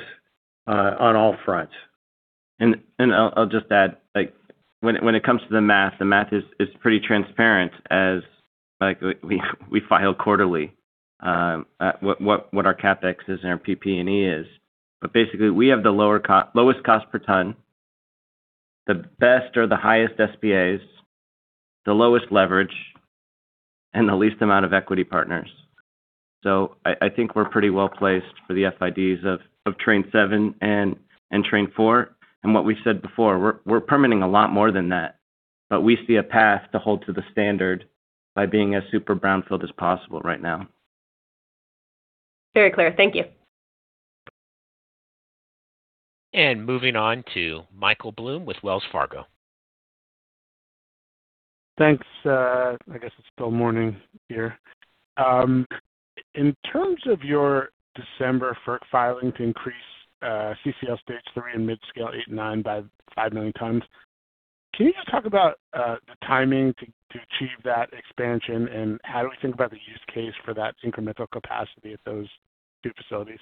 on all fronts. I'll just add, like, when it comes to the math, the math is pretty transparent as, like, we file quarterly, what our CapEx is and our PP&E is. Basically, we have the lowest cost per ton, the best or the highest SPAs, the lowest leverage, and the least amount of equity partners. I think we're pretty well placed for the FIDs of Train 7 and Train 4. What we said before, we're permitting a lot more than that, but we see a path to hold to the standard by being as super brownfield as possible right now. Very clear. Thank you. Moving on to Michael Blum with Wells Fargo. Thanks. I guess it's still morning here. In terms of your December FERC filing to increase, CCL Stage 3 and Midscale Eight and Nine by 5 million tons, can you just talk about, the timing to achieve that expansion? How do we think about the use case for that incremental capacity at those two facilities?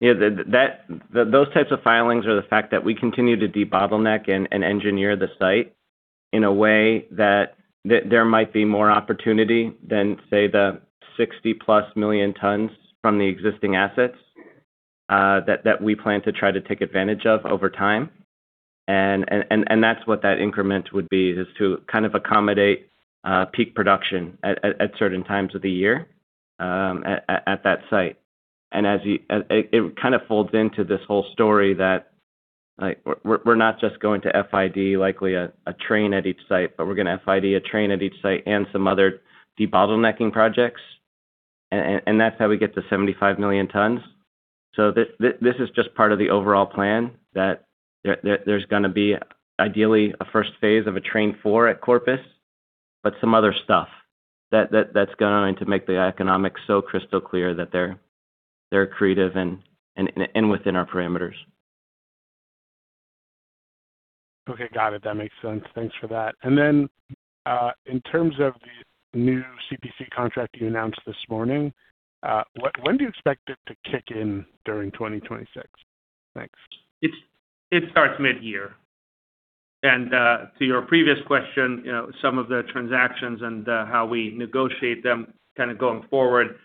Yeah, those types of filings are the fact that we continue to debottleneck and engineer the site in a way that there might be more opportunity than, say, the 60+ million tons from the existing assets that we plan to try to take advantage of over time. That's what that increment would be, is to kind of accommodate peak production at certain times of the year at that site. It kind of folds into this whole story that, like, we're not just going to FID, likely a train at each site, but we're gonna FID a train at each site and some other debottlenecking projects. That's how we get to 75 million tons. This is just part of the overall plan, that there's gonna be ideally a first phase of a Train 4 at Corpus, but some other stuff that's going to make the economics so crystal clear that they're creative and within our parameters. Okay, got it. That makes sense. Thanks for that. In terms of the new CPC contract you announced this morning, when do you expect it to kick in during 2026? Thanks. It starts mid-year. To your previous question, you know, some of the transactions and how we negotiate them kind of going forward,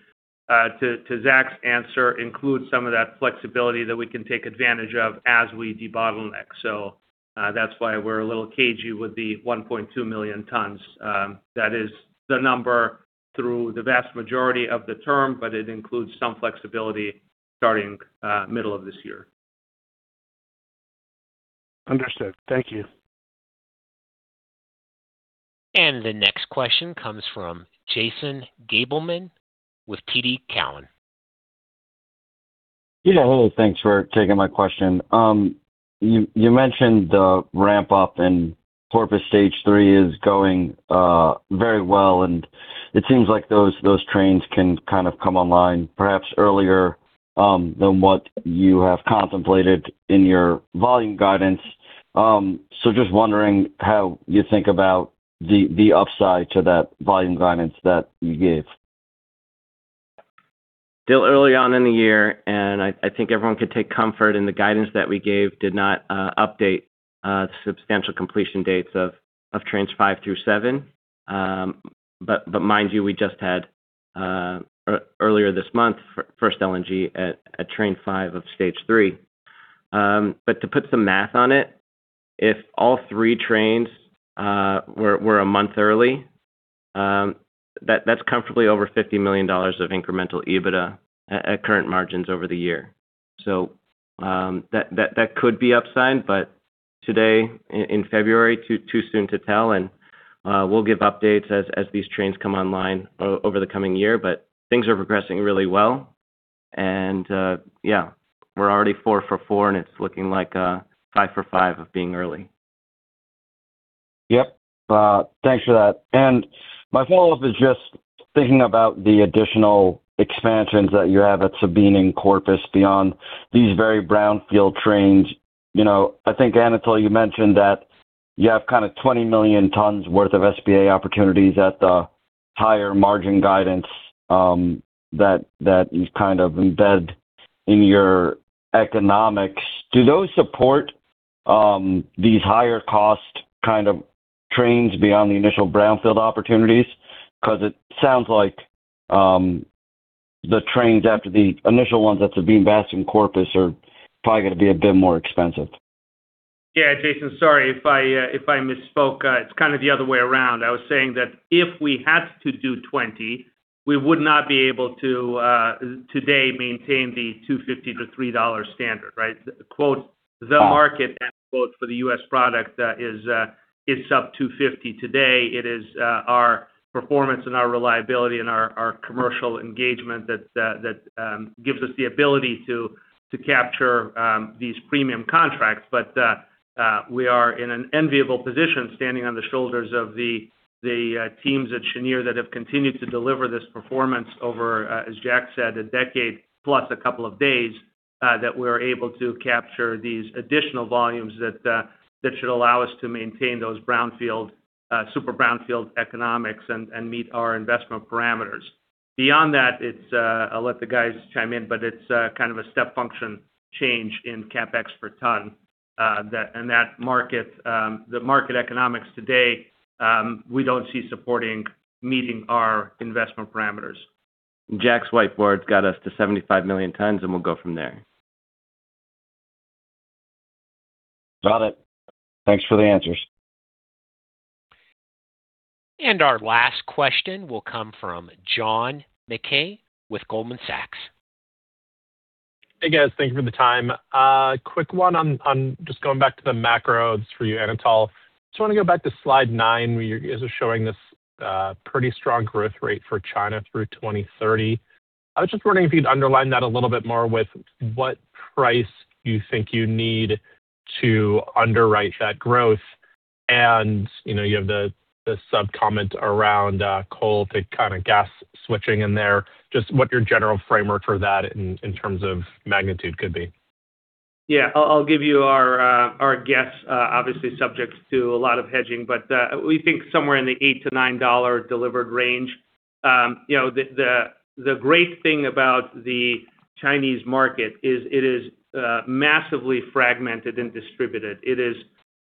to Zach's answer, includes some of that flexibility that we can take advantage of as we debottleneck. That's why we're a little cagey with the 1.2 million tons. That is the number through the vast majority of the term, but it includes some flexibility starting middle of this year. Understood. Thank you. The next question comes from Jason Gabelman with TD Cowen. Yeah, hello, thanks for taking my question. You mentioned the ramp-up in Corpus Stage 3 is going very well, and it seems like those trains can kind of come online perhaps earlier than what you have contemplated in your volume guidance. Just wondering how you think about the upside to that volume guidance that you gave. Still early on in the year. I think everyone could take comfort in the guidance that we gave did not update substantial completion dates of Trains 5 through 7. Mind you, we just had earlier this month, first LNG at Train 5 of Stage 3. To put some math on it, if all 3 trains were a month early, that's comfortably over $50 million of incremental EBITDA at current margins over the year. That could be upside, but today, in February, too soon to tell, and we'll give updates as these trains come online over the coming year. Things are progressing really well. Yeah, we're already 4 for 4, and it's looking like, 5 for 5 of being early. Thanks for that. My follow-up is just thinking about the additional expansions that you have at Sabine and Corpus beyond these very brownfield trains. You know, I think, Anatol, you mentioned that you have kind of 20 million tons worth of SPAs opportunities at the higher margin guidance that you kind of embed in your economics. Do those support these higher cost kind of trains beyond the initial brownfield opportunities? It sounds like the trains after the initial ones at Sabine and Corpus are probably gonna be a bit more expensive. Yeah, Jason, sorry if I misspoke. It's kind of the other way around. I was saying that if we had to do 20, we would not be able to, today maintain the $2.50-$3 standard, right? Quote, "The market," end quote, for the U.S. product, is, it's up $2.50 today. It is, our performance and our reliability and our commercial engagement that gives us the ability to capture these premium contracts. We are in an enviable position standing on the shoulders of the teams at Cheniere that have continued to deliver this performance over as Jack said, a decade plus a couple of days, that we're able to capture these additional volumes that should allow us to maintain those brownfield, super brownfield economics and meet our investment parameters. Beyond that, I'll let the guys chime in, but it's kind of a step function change in CapEx per ton. The market economics today, we don't see supporting meeting our investment parameters. Jack's whiteboard got us to 75 million tons, and we'll go from there. Got it. Thanks for the answers. Our last question will come from John Mackay with Goldman Sachs. Hey, guys. Thank you for the time. Quick one on just going back to the macros for you, Anatol. Just want to go back to slide 9, where you guys are showing this pretty strong growth rate for China through 2030. I was just wondering if you'd underline that a little bit more with what price you think you need to underwrite that growth. You know, you have the subcomment around coal, the kind of gas switching in there, just what your general framework for that in terms of magnitude could be. Yeah. I'll give you our guess, obviously subject to a lot of hedging, but we think somewhere in the $8-$9 delivered range. You know, the great thing about the Chinese market is it is massively fragmented and distributed. It is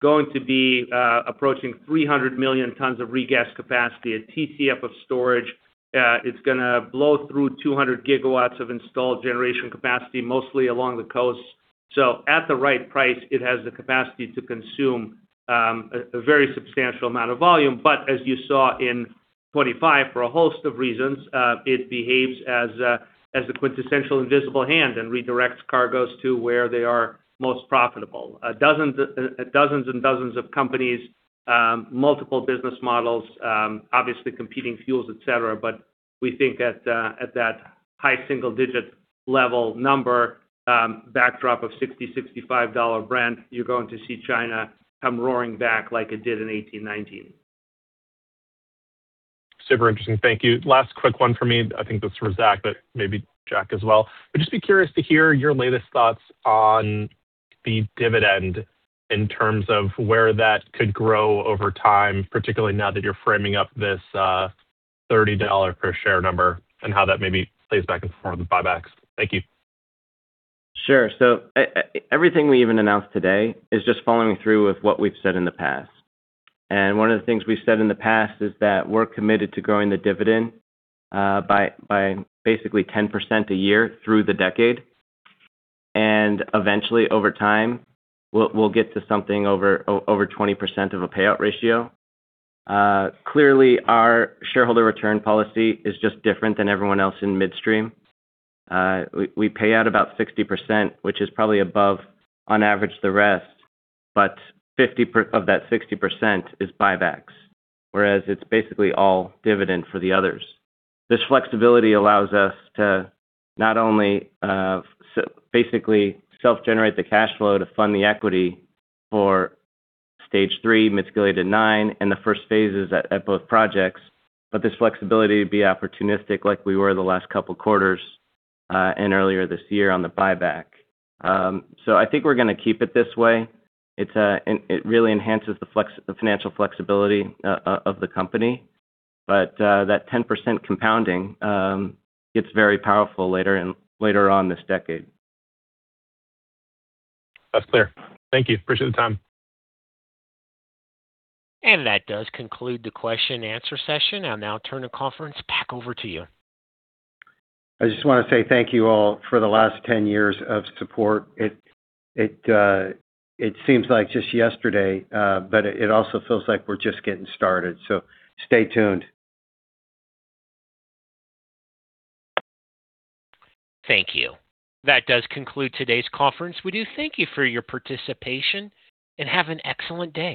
going to be approaching 300 million tons of regas capacity, a TTF of storage. It's gonna blow through 200 gigawatts of installed generation capacity, mostly along the coast. At the right price, it has the capacity to consume, a very substantial amount of volume. As you saw in 2025, for a host of reasons, it behaves as a quintessential invisible hand and redirects cargos to where they are most profitable. Dozens and dozens of companies, multiple business models, obviously competing fuels, et cetera. We think that, at that high single-digit level number, backdrop of $60-$65 Brent, you're going to see China come roaring back like it did in 2018-2019. Super interesting. Thank you. Last quick one for me. I think this is for Zach, but maybe Jack as well. I'd just be curious to hear your latest thoughts on the dividend in terms of where that could grow over time, particularly now that you're framing up this $30 per share number, and how that maybe plays back and forth with buybacks. Thank you. Sure. Everything we even announced today is just following through with what we've said in the past. One of the things we've said in the past is that we're committed to growing the dividend by basically 10% a year through the decade. Eventually, over time, we'll get to something over 20% of a payout ratio. Clearly, our shareholder return policy is just different than everyone else in midstream. We pay out about 60%, which is probably above, on average, the rest, but 50% of that 60% is buybacks, whereas it's basically all dividend for the others. This flexibility allows us to not only, basically self-generate the cash flow to fund the equity for Stage 3, Midscale 8 and 9, and the first phases at both projects, but this flexibility to be opportunistic like we were the last couple of quarters, and earlier this year on the buyback. I think we're gonna keep it this way. It really enhances the financial flexibility of the company. That 10% compounding gets very powerful later on this decade. That's clear. Thank you. Appreciate the time. That does conclude the question and answer session. I'll now turn the conference back over to you. I just want to say thank you all for the last 10 years of support. It seems like just yesterday, but it also feels like we're just getting started. Stay tuned. Thank you. That does conclude today's conference. We do thank you for your participation, and have an excellent day.